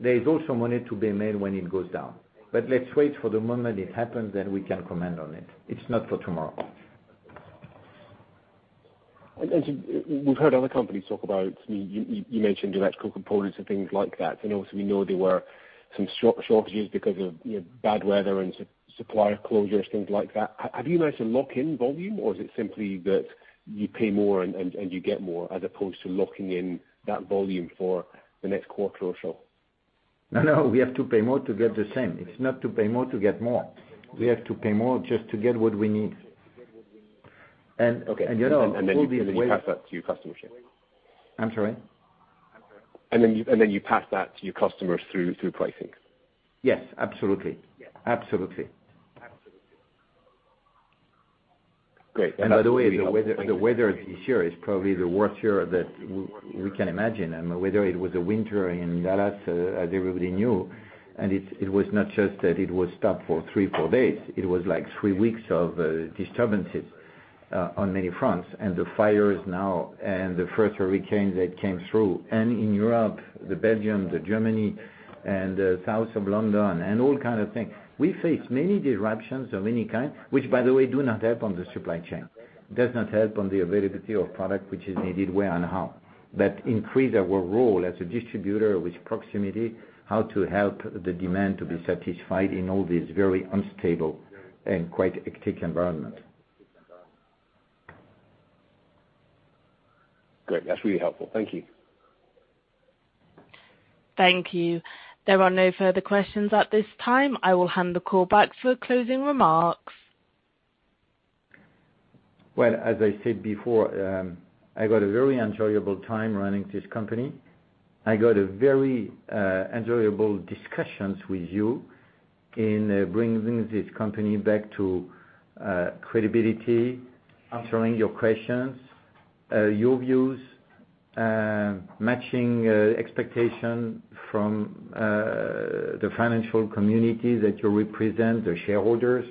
there is also money to be made when it goes down. Let's wait for the moment it happens, then we can comment on it. It's not for tomorrow. We've heard other companies talk about, you mentioned electrical components and things like that. Obviously we know there were some shortages because of bad weather and supplier closures, things like that. Have you managed to lock in volume, or is it simply that you pay more and you get more as opposed to locking in that volume for the next quarter or so? No, we have to pay more to get the same. It's not to pay more to get more. We have to pay more just to get what we need. Okay. All these ways- You pass that to your customers. I'm sorry? You pass that to your customers through pricing? Yes, absolutely. Absolutely. Great. By the way, the weather this year is probably the worst year that we can imagine. The weather, it was a winter in Dallas, as everybody knew. It was not just that it was stopped for three, four days. It was like three weeks of disturbances on many fronts, and the fires now and the first hurricane that came through, and in Europe, Belgium, Germany, and south of London, and all kind of things. We face many disruptions of any kind, which by the way, do not help on the supply chain does not help on the availability of product which is needed where and how. That increase our role as a distributor with proximity, how to help the demand to be satisfied in all this very unstable and quite hectic environment. Great. That's really helpful. Thank you. Thank you. There are no further questions at this time. I will hand the call back for closing remarks. Well, as I said before, I got a very enjoyable time running this company. I got a very enjoyable discussions with you in bringing this company back to credibility, answering your questions, your views, matching expectation from the financial community that you represent, the shareholders.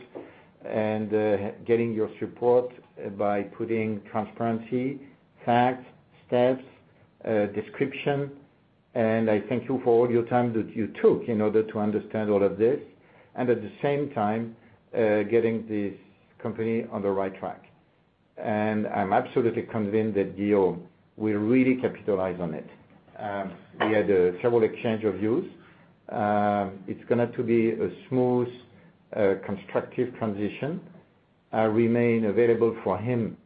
Getting your support by putting transparency, facts, steps, description. I thank you for all your time that you took in order to understand all of this, and at the same time, getting this company on the right track. I'm absolutely convinced that Guillaume will really capitalize on it. We had several exchange of views. It's going to be a smooth, constructive transition. I remain available for him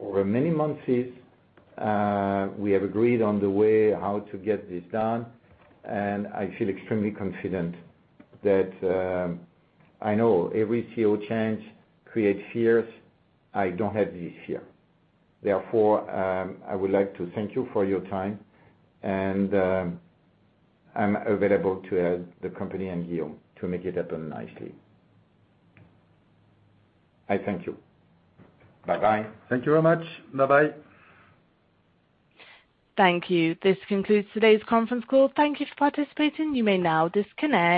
over many months. We have agreed on the way how to get this done, and I feel extremely confident that I know every CEO change creates fears. I don't have this fear. I would like to thank you for your time, and I'm available to help the company and Guillaume to make it happen nicely. I thank you. Bye-bye. Thank you very much. Bye-bye. Thank you. This concludes today's conference call. Thank you for participating. You may now disconnect.